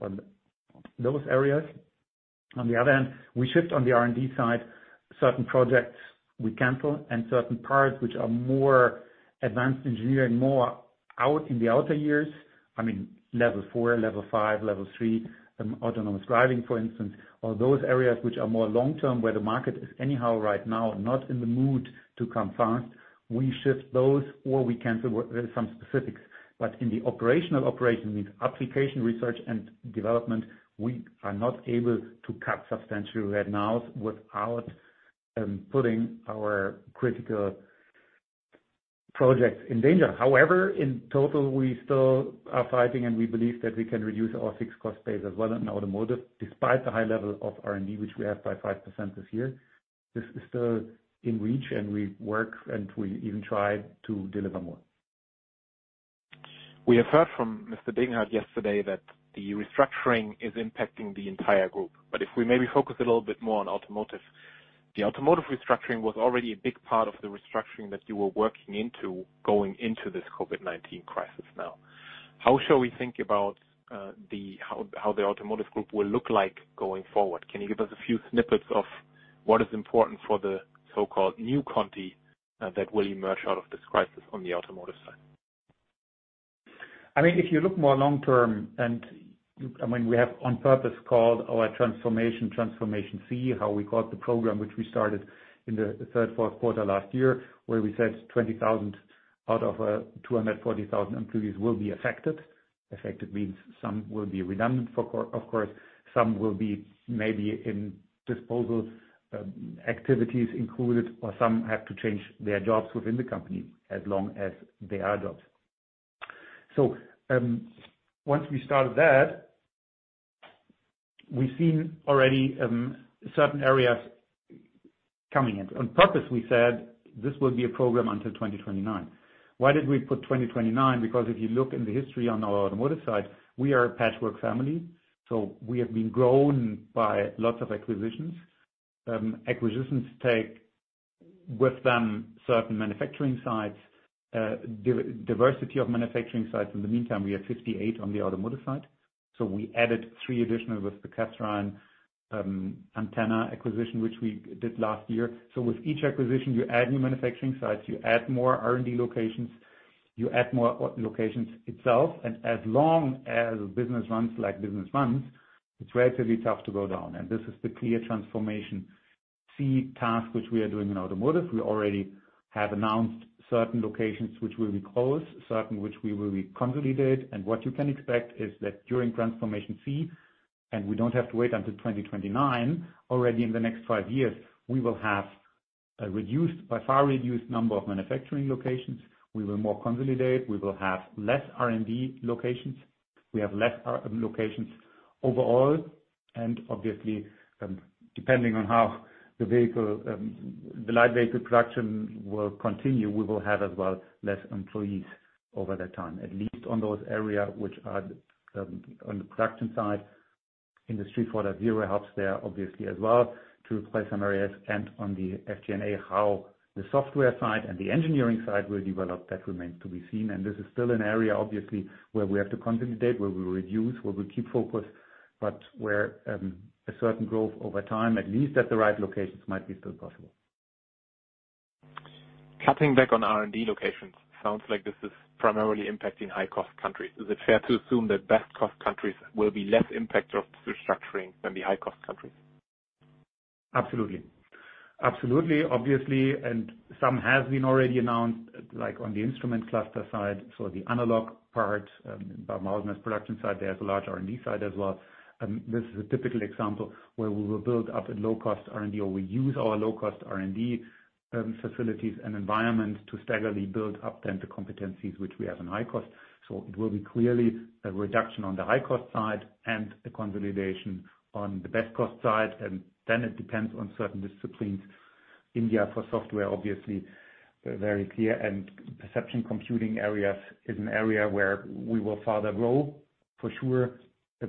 on those areas. On the other hand, we shift on the R&D side certain projects we cancel and certain parts which are more advanced engineering, more out in the outer years. I mean, Level 4, Level 5, Level 3 autonomous driving, for instance, or those areas which are more long-term where the market is anyhow right now not in the mood to come fast. We shift those or we cancel some specifics. But in the operational operation, means application research and development, we are not able to cut substantially right now without putting our critical projects in danger. However, in total, we still are fighting, and we believe that we can reduce our fixed cost base as well in automotive, despite the high level of R&D which we have by 5% this year. This is still in reach, and we work, and we even try to deliver more. We have heard from Mr. Degenhart yesterday that the restructuring is impacting the entire group. But if we maybe focus a little bit more on automotive, the automotive restructuring was already a big part of the restructuring that you were working into going into this COVID-19 crisis now. How shall we think about how the automotive group will look like going forward? Can you give us a few snippets of what is important for the so-called new Conti that will emerge out of this crisis on the automotive side? I mean, if you look more long-term, and I mean, we have on purpose called our transformation, Transformation C, how we called the program, which we started in the third, fourth quarter last year, where we said 20,000 out of 240,000 employees will be affected. Affected means some will be redundant, of course, some will be maybe in disposal, activities included, or some have to change their jobs within the company as long as they are jobs. So, once we started that, we've seen already, certain areas coming in. On purpose, we said this will be a program until 2029. Why did we put 2029? Because if you look in the history on our automotive side, we are a patchwork family. So we have been grown by lots of acquisitions. Acquisitions take with them certain manufacturing sites, diversity of manufacturing sites. In the meantime, we have 58 on the automotive side. So we added three additional with the Kathrein antenna acquisition, which we did last year. So with each acquisition, you add new manufacturing sites, you add more R&D locations, you add more locations itself. And as long as business runs like business runs, it's relatively tough to go down. And this is the clear Transformation C task, which we are doing in automotive. We already have announced certain locations which will be closed, certain which we will be consolidated. And what you can expect is that during Transformation C, and we don't have to wait until 2029, already in the next five years, we will have a reduced, by far reduced number of manufacturing locations. We will more consolidate. We will have less R&D locations. We have less R&D locations overall. Obviously, depending on how the vehicle, the light vehicle production will continue, we will have as well less employees over that time, at least on those areas which are on the production side. Industry 4.0 helps there obviously as well to replace some areas. On the SG&A, how the software side and the engineering side will develop, that remains to be seen. This is still an area obviously where we have to consolidate, where we reduce, where we keep focus, but where a certain growth over time, at least at the right locations, might be still possible. Cutting back on R&D locations sounds like this is primarily impacting high-cost countries. Is it fair to assume that best-cost countries will be less impacted of restructuring than the high-cost countries? Absolutely. Absolutely. Obviously, and some has been already announced, like on the instrument cluster side. So the analog part, by Babenhausen production side, there's a large R&D side as well. This is a typical example where we will build up a low-cost R&D or we use our low-cost R&D facilities and environments to staggerly build up then the competencies which we have in high-cost. So it will be clearly a reduction on the high-cost side and a consolidation on the best-cost side. And then it depends on certain disciplines. India for software, obviously, very clear. And perception computing areas is an area where we will further grow for sure.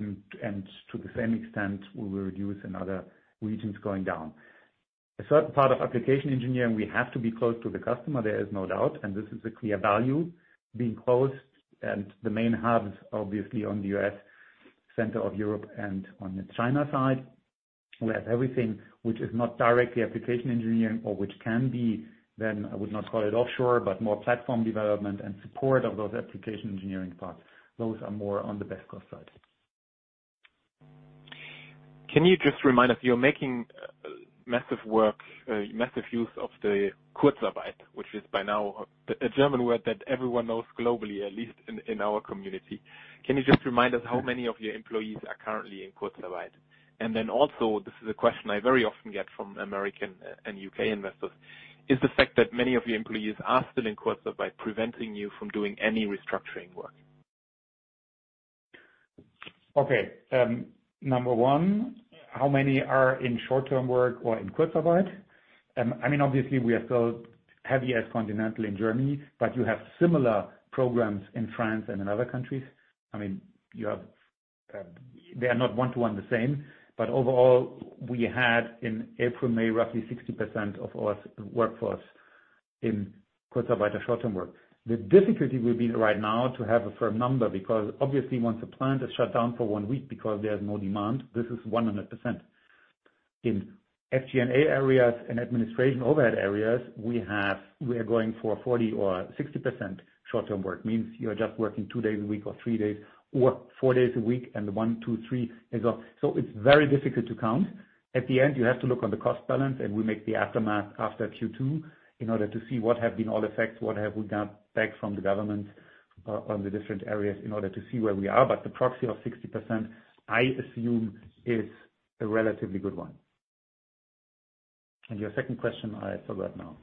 And to the same extent, we will reduce in other regions going down. A certain part of application engineering, we have to be close to the customer. There is no doubt. And this is a clear value in being close. The main hubs, obviously on the U.S., center of Europe, and on the China side, we have everything which is not directly application engineering or which can be then, I would not call it offshore, but more platform development and support of those application engineering parts. Those are more on the best-cost side. Can you just remind us, you're making massive work, massive use of the Kurzarbeit, which is by now a German word that everyone knows globally, at least in our community. Can you just remind us how many of your employees are currently in Kurzarbeit? And then also, this is a question I very often get from American and U.K. investors, is the fact that many of your employees are still in Kurzarbeit preventing you from doing any restructuring work? Okay. Number one, how many are in short-term work or in Kurzarbeit? I mean, obviously we are still heavily as Continental in Germany, but you have similar programs in France and in other countries. I mean, you have, they are not one-to-one the same, but overall we had in April, May, roughly 60% of our workforce in Kurzarbeit or short-term work. The difficulty will be right now to have a firm number because obviously once a plant is shut down for one week because there's no demand, this is 100%. In SG&A areas and administration overhead areas, we have, we are going for 40% or 60% short-term work. Means you're just working two days a week or three days or four days a week, and the one, two, three is off. So it's very difficult to count. At the end, you have to look on the cost balance, and we make the aftermath after Q2 in order to see what have been all effects, what have we got back from the government, on the different areas in order to see where we are. But the proxy of 60%, I assume, is a relatively good one. And your second question, I forgot now.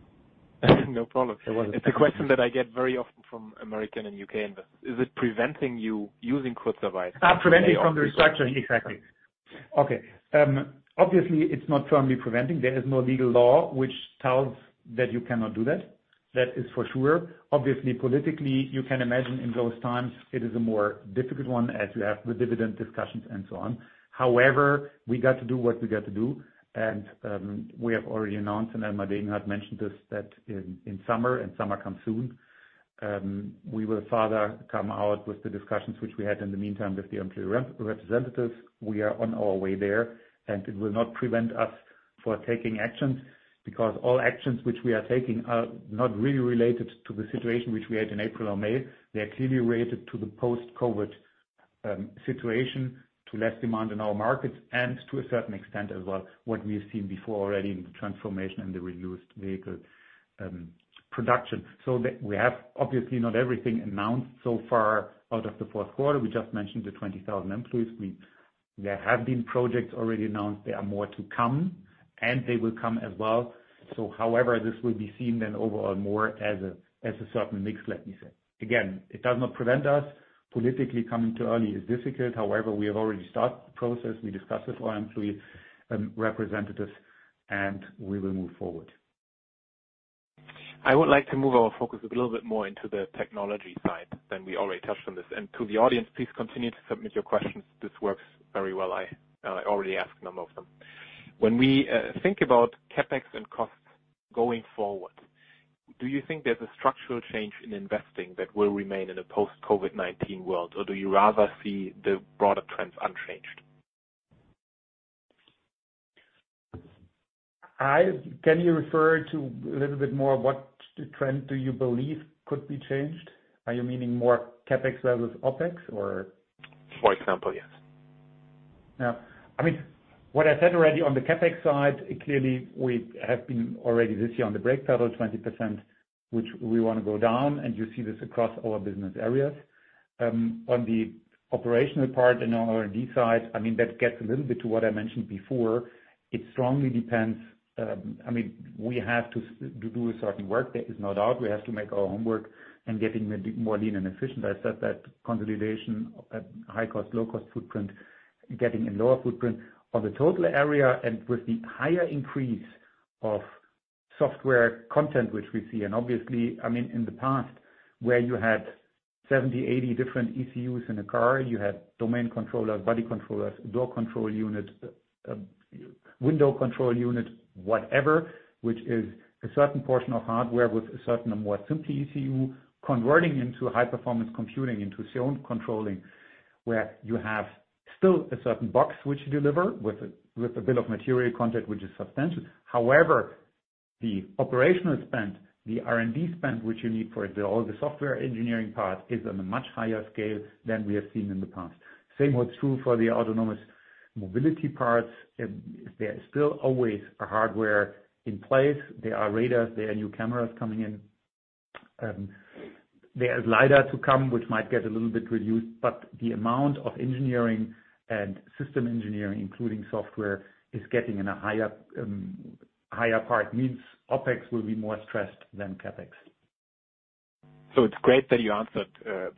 No problem. It was a question. It's a question that I get very often from American and U.K. investors. Is it preventing you using Kurzarbeit? preventing from the restructuring, exactly. Okay. Obviously it's not firmly preventing. There is no legal law which tells that you cannot do that. That is for sure. Obviously, politically, you can imagine in those times it is a more difficult one as you have the dividend discussions and so on. However, we got to do what we got to do. And we have already announced, and Elmar Degenhart mentioned this, that in summer, and summer comes soon, we will further come out with the discussions which we had in the meantime with the employee representatives. We are on our way there, and it will not prevent us from taking actions because all actions which we are taking are not really related to the situation which we had in April or May. They are clearly related to the post-COVID situation, to less demand in our markets, and to a certain extent as well what we have seen before already in the transformation and the reduced vehicle production. So that we have obviously not everything announced so far out of the fourth quarter. We just mentioned the 20,000 employees. We there have been projects already announced. There are more to come, and they will come as well. So however, this will be seen then overall more as a, as a certain mix, let me say. Again, it does not prevent us. Politically coming too early is difficult. However, we have already started the process. We discussed with our employee representatives, and we will move forward. I would like to move our focus a little bit more into the technology side than we already touched on this, and to the audience, please continue to submit your questions. This works very well. I already asked a number of them. When we think about CapEx and costs going forward, do you think there's a structural change in investing that will remain in a post-COVID-19 world, or do you rather see the broader trends unchanged? Can you refer to a little bit more what trend do you believe could be changed? Are you meaning more CapEx versus OpEx, or? For example, yes. Yeah. I mean, what I said already on the CapEx side, clearly we have been already this year on the brake pedal 20%, which we want to go down, and you see this across our business areas. On the operational part and our R&D side, I mean, that gets a little bit to what I mentioned before. It strongly depends, I mean, we have to do a certain work. There is no doubt. We have to make our homework and getting more lean and efficient. I said that consolidation, high-cost, low-cost footprint, getting a lower footprint on the total area and with the higher increase of software content which we see. Obviously, I mean, in the past, where you had 70, 80 different ECUs in a car, you had domain controllers, body controllers, door control units, window control units, whatever, which is a certain portion of hardware with a certain more simple ECU converting into high-performance computing, into zone controlling, where you have still a certain box which you deliver with a bill of material content which is substantial. However, the operational spend, the R&D spend which you need for all the software engineering part is on a much higher scale than we have seen in the past. Same what's true for the autonomous mobility parts. There is still always hardware in place. There are radars, there are new cameras coming in. There is LiDAR to come, which might get a little bit reduced, but the amount of engineering and system engineering, including software, is getting in a higher, higher part. Means OpEx will be more stressed than CapEx. So it's great that you answered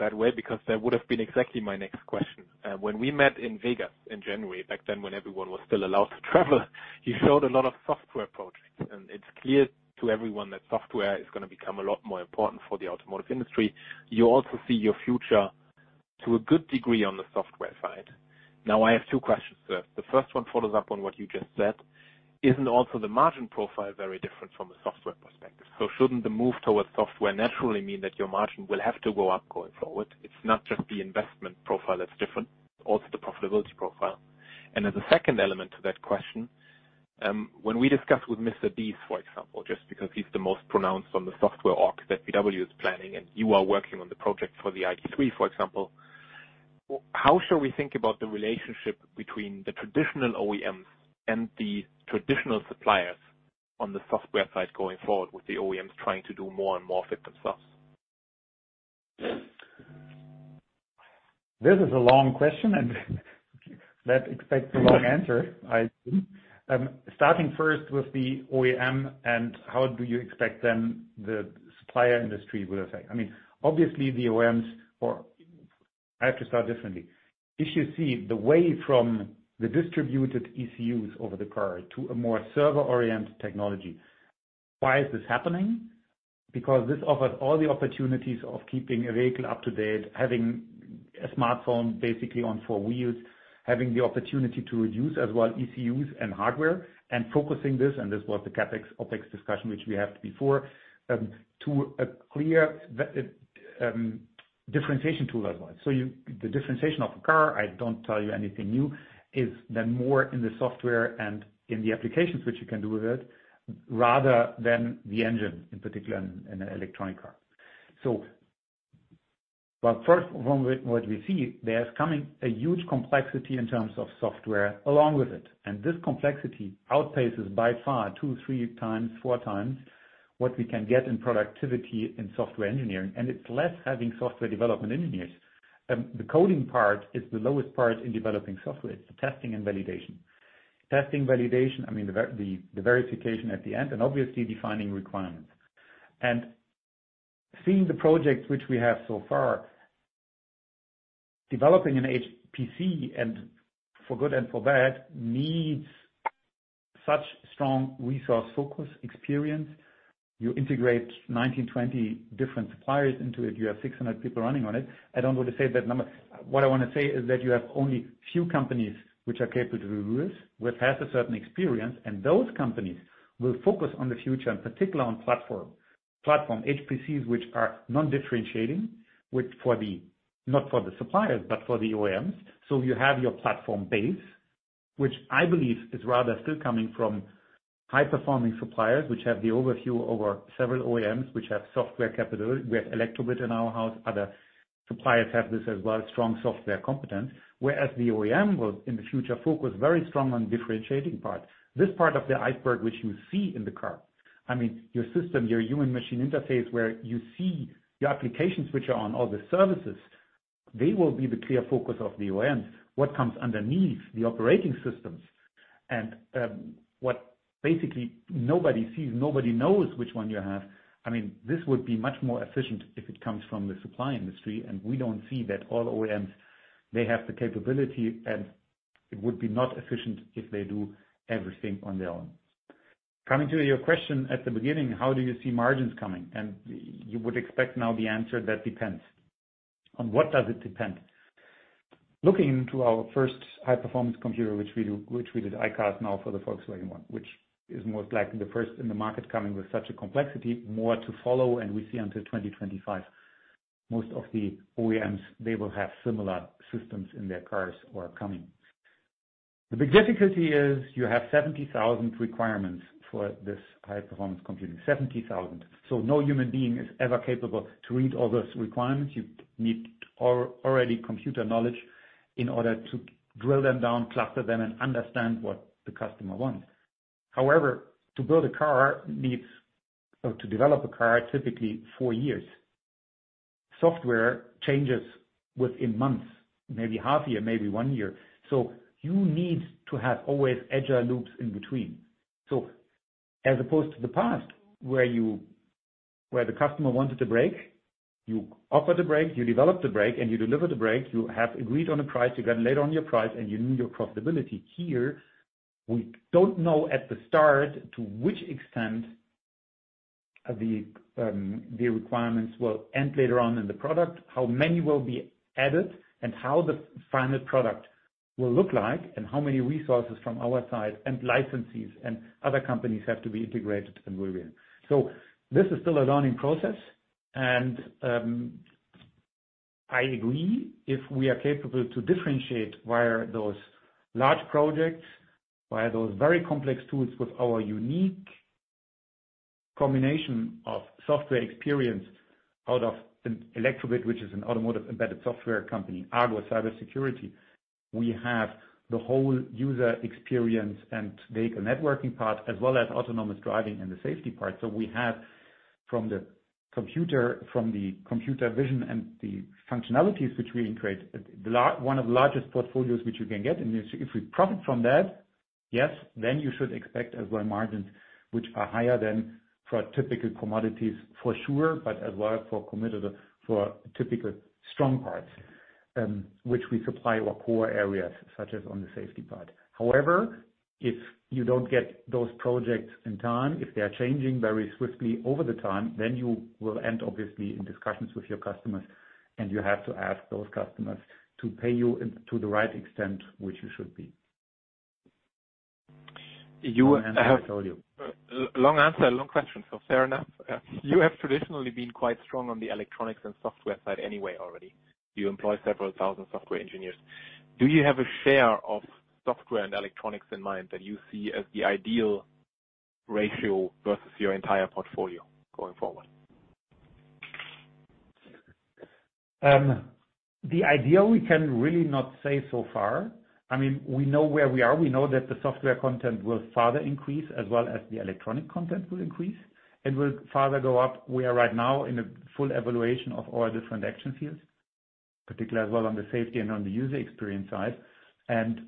that way because that would have been exactly my next question. When we met in Vegas in January, back then when everyone was still allowed to travel, you showed a lot of software projects. And it's clear to everyone that software is going to become a lot more important for the automotive industry. You also see your future to a good degree on the software side. Now, I have two questions to ask. The first one follows up on what you just said. Isn't also the margin profile very different from a software perspective? So shouldn't the move towards software naturally mean that your margin will have to go up going forward? It's not just the investment profile that's different, also the profitability profile. And then the second element to that question, when we discuss with Mr. Diess, for example, just because he's the most pronounced on the software architecture that VW is planning, and you are working on the project for the ID.3, for example, how should we think about the relationship between the traditional OEMs and the traditional suppliers on the software side going forward with the OEMs trying to do more and more to fit themselves? This is a long question, and that expects a long answer, I assume. Starting first with the OEM, and how do you expect then the supplier industry will affect? I mean, obviously the OEMs or I have to start differently. If you see the way from the distributed ECUs over the car to a more server-oriented technology, why is this happening? Because this offers all the opportunities of keeping a vehicle up to date, having a smartphone basically on four wheels, having the opportunity to reduce as well ECUs and hardware and focusing this, and this was the CapEx OpEx discussion which we had before, to a clear differentiation tool as well. So, you know the differentiation of a car. I don't tell you anything new. It is then more in the software and in the applications which you can do with it rather than the engine, in particular in an electric car. So, but first, from what we see, there's coming a huge complexity in terms of software along with it. And this complexity outpaces by far two, three times, four times what we can get in productivity in software engineering. And it's less having software development engineers. The coding part is the lowest part in developing software. It's the testing and validation. Testing, validation, I mean, the verification at the end, and obviously defining requirements. And seeing the projects which we have so far, developing an HPC, and for good and for bad, needs such strong resource focus experience. You integrate 19, 20 different suppliers into it. You have 600 people running on it. I don't want to say that number. What I want to say is that you have only few companies which are capable to do this with half a century's experience. And those companies will focus on the future, in particular on platform, platform HPCs which are non-differentiating, which for the not for the suppliers, but for the OEMs. So you have your platform base, which I believe is rather still coming from high-performing suppliers which have the overview over several OEMs which have software capability. We have Elektrobit in our house. Other suppliers have this as well, strong software competence. Whereas the OEM will in the future focus very strong on differentiating part. This part of the iceberg which you see in the car, I mean, your system, your human-machine interface where you see your applications which are on all the services, they will be the clear focus of the OEMs. What comes underneath the operating systems and, what basically nobody sees, nobody knows which one you have. I mean, this would be much more efficient if it comes from the supply industry. And we don't see that all OEMs, they have the capability, and it would be not efficient if they do everything on their own. Coming to your question at the beginning, how do you see margins coming? And you would expect now the answer that depends on what does it depend. Looking into our first high-performance computer, which we do, which we did ICAS now for the Volkswagen one, which is most likely the first in the market coming with such a complexity, more to follow, and we see until 2025, most of the OEMs, they will have similar systems in their cars or coming. The big difficulty is you have 70,000 requirements for this high-performance computing, 70,000. So no human being is ever capable to read all those requirements. You need already computer knowledge in order to drill them down, cluster them, and understand what the customer wants. However, to build a car needs or to develop a car typically four years. Software changes within months, maybe half a year, maybe one year. So you need to have always agile loops in between. So as opposed to the past where you were the customer wanted a brake, you offered a brake, you developed a brake, and you delivered a brake, you have agreed on a price, you got paid on your price, and you knew your profitability. Here, we don't know at the start to which extent the requirements will end later on in the product, how many will be added, and how the final product will look like, and how many resources from our side and licenses and other companies have to be integrated and where we are. So this is still a learning process. And, I agree if we are capable to differentiate via those large projects, via those very complex tools with our unique combination of software experience out of Elektrobit, which is an automotive embedded software company, Argus Cyber Security. We have the whole user experience and vehicle networking part as well as autonomous driving and the safety part. So we have from the computer, from the computer vision and the functionalities which we integrate, one of the largest portfolios which you can get. And if we profit from that, yes, then you should expect as well margins which are higher than for typical commodities for sure, but as well compared to typical strong parts, which we supply in our core areas such as the safety part. However, if you don't get those projects in time, if they are changing very swiftly over time, then you will obviously end up in discussions with your customers, and you have to ask those customers to pay you to the right extent which you should be. You have a long answer, long question. So fair enough. You have traditionally been quite strong on the electronics and software side anyway already. You employ several thousand software engineers. Do you have a share of software and electronics in mind that you see as the ideal ratio versus your entire portfolio going forward? The ideal we can really not say so far. I mean, we know where we are. We know that the software content will further increase as well as the electronic content will increase and will further go up. We are right now in a full evaluation of all different action fields, particularly as well on the safety and on the user experience side. And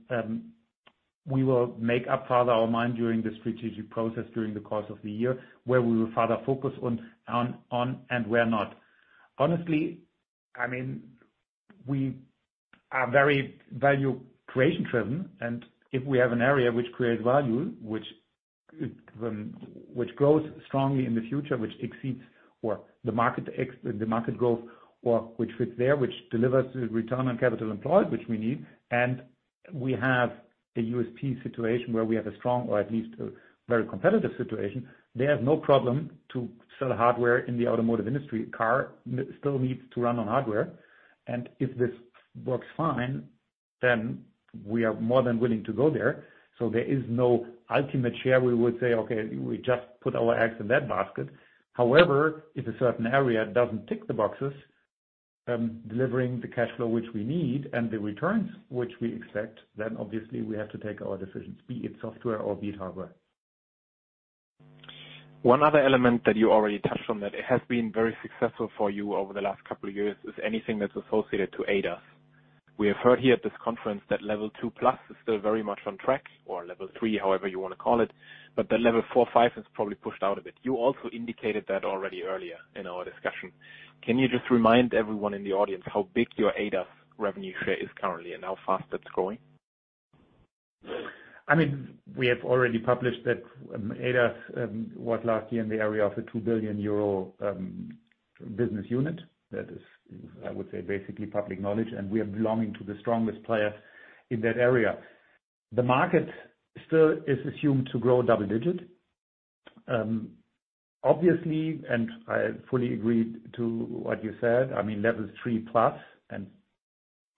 we will make up further our mind during the strategic process during the course of the year where we will further focus on and where not. Honestly, I mean, we are very value creation driven. If we have an area which creates value, which grows strongly in the future, which exceeds the market growth, or which fits there, which delivers the return on capital employed, which we need, and we have a USP situation where we have a strong or at least a very competitive situation, there's no problem to sell hardware in the automotive industry. Cars still need to run on hardware. If this works fine, then we are more than willing to go there. There is no ultimate share. We would say, okay, we just put our eggs in that basket. However, if a certain area doesn't tick the boxes, delivering the cash flow which we need and the returns which we expect, then obviously we have to take our decisions, be it software or be it hardware. One other element that you already touched on that has been very successful for you over the last couple of years is anything that's associated to ADAS. We have heard here at this conference that Level 2+ is still very much on track or Level 3, however you want to call it, but that Level 4, 5 has probably pushed out a bit. You also indicated that already earlier in our discussion. Can you just remind everyone in the audience how big your ADAS revenue share is currently and how fast that's growing? I mean, we have already published that ADAS was last year in the area of a 2 billion euro business unit. That is, I would say, basically public knowledge. And we are belonging to the strongest players in that area. The market still is assumed to grow double digit. Obviously, and I fully agree to what you said, I mean, Level 3+ and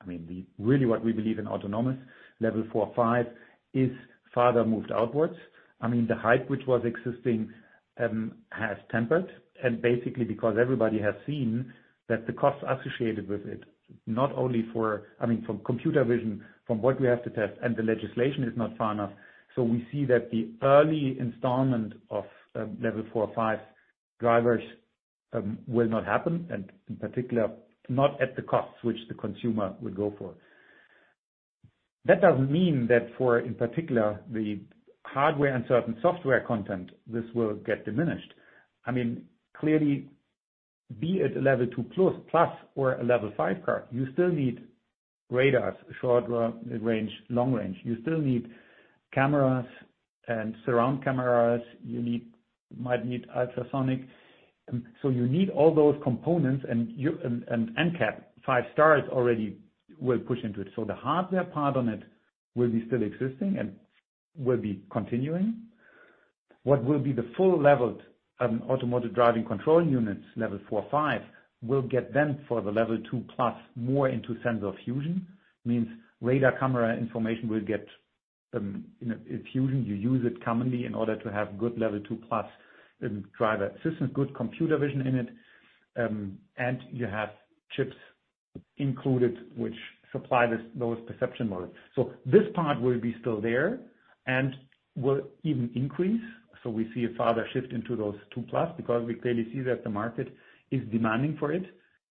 I mean, the really what we believe in autonomous Level 4, 5 is further moved outwards. I mean, the hype which was existing has tempered. And basically because everybody has seen that the cost associated with it, not only for, I mean, from computer vision, from what we have to test, and the legislation is not far enough. So we see that the early installment of Level 4, 5 drivers will not happen, and in particular, not at the costs which the consumer would go for. That doesn't mean that for, in particular, the hardware and certain software content, this will get diminished. I mean, clearly, be it a Level 2+ or a Level 5 car, you still need radars, short range, long range. You still need cameras and surround cameras. You might need ultrasonic. So you need all those components. And NCAP five stars already will push into it. So the hardware part on it will be still existing and will be continuing. What will be the full leveled automotive driving control units. Level 4, 5 will get them for the Level 2+ more into sensor fusion means radar camera information will get, you know, it's fusion. You use it commonly in order to have good Level 2+ driver assistance, good computer vision in it. And you have chips included which supply those perception modes. This part will be still there and will even increase. We see a further shift into those 2+ because we clearly see that the market is demanding for it,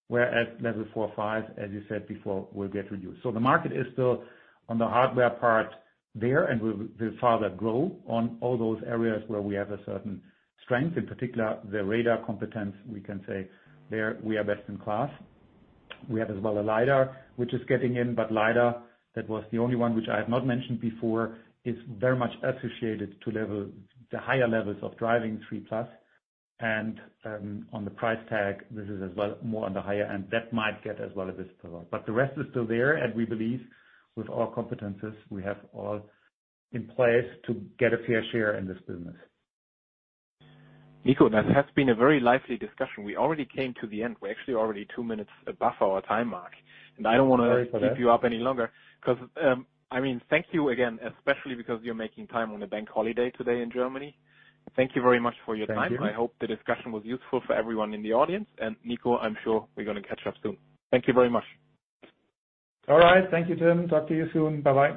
whereas Level 4, 5, as you said before, will get reduced. The market is still on the hardware part there and will further grow on all those areas where we have a certain strength, in particular the radar competence. We can say there we are best in class. We have as well a LiDAR which is getting in, but LiDAR, that was the only one which I have not mentioned before, is very much associated to Level, the higher levels of driving 3+. On the price tag, this is as well more on the higher end. That might get as well as this provide. But the rest is still there. We believe with our competencies, we have all in place to get a fair share in this business. Nico, that has been a very lively discussion. We already came to the end. We're actually already two minutes above our time mark, and I don't want to keep you up any longer because, I mean, thank you again, especially because you're making time on a bank holiday today in Germany. Thank you very much for your time. I hope the discussion was useful for everyone in the audience, and Nico, I'm sure we're going to catch up soon. Thank you very much. All right. Thank you, Tim. Talk to you soon. Bye-bye.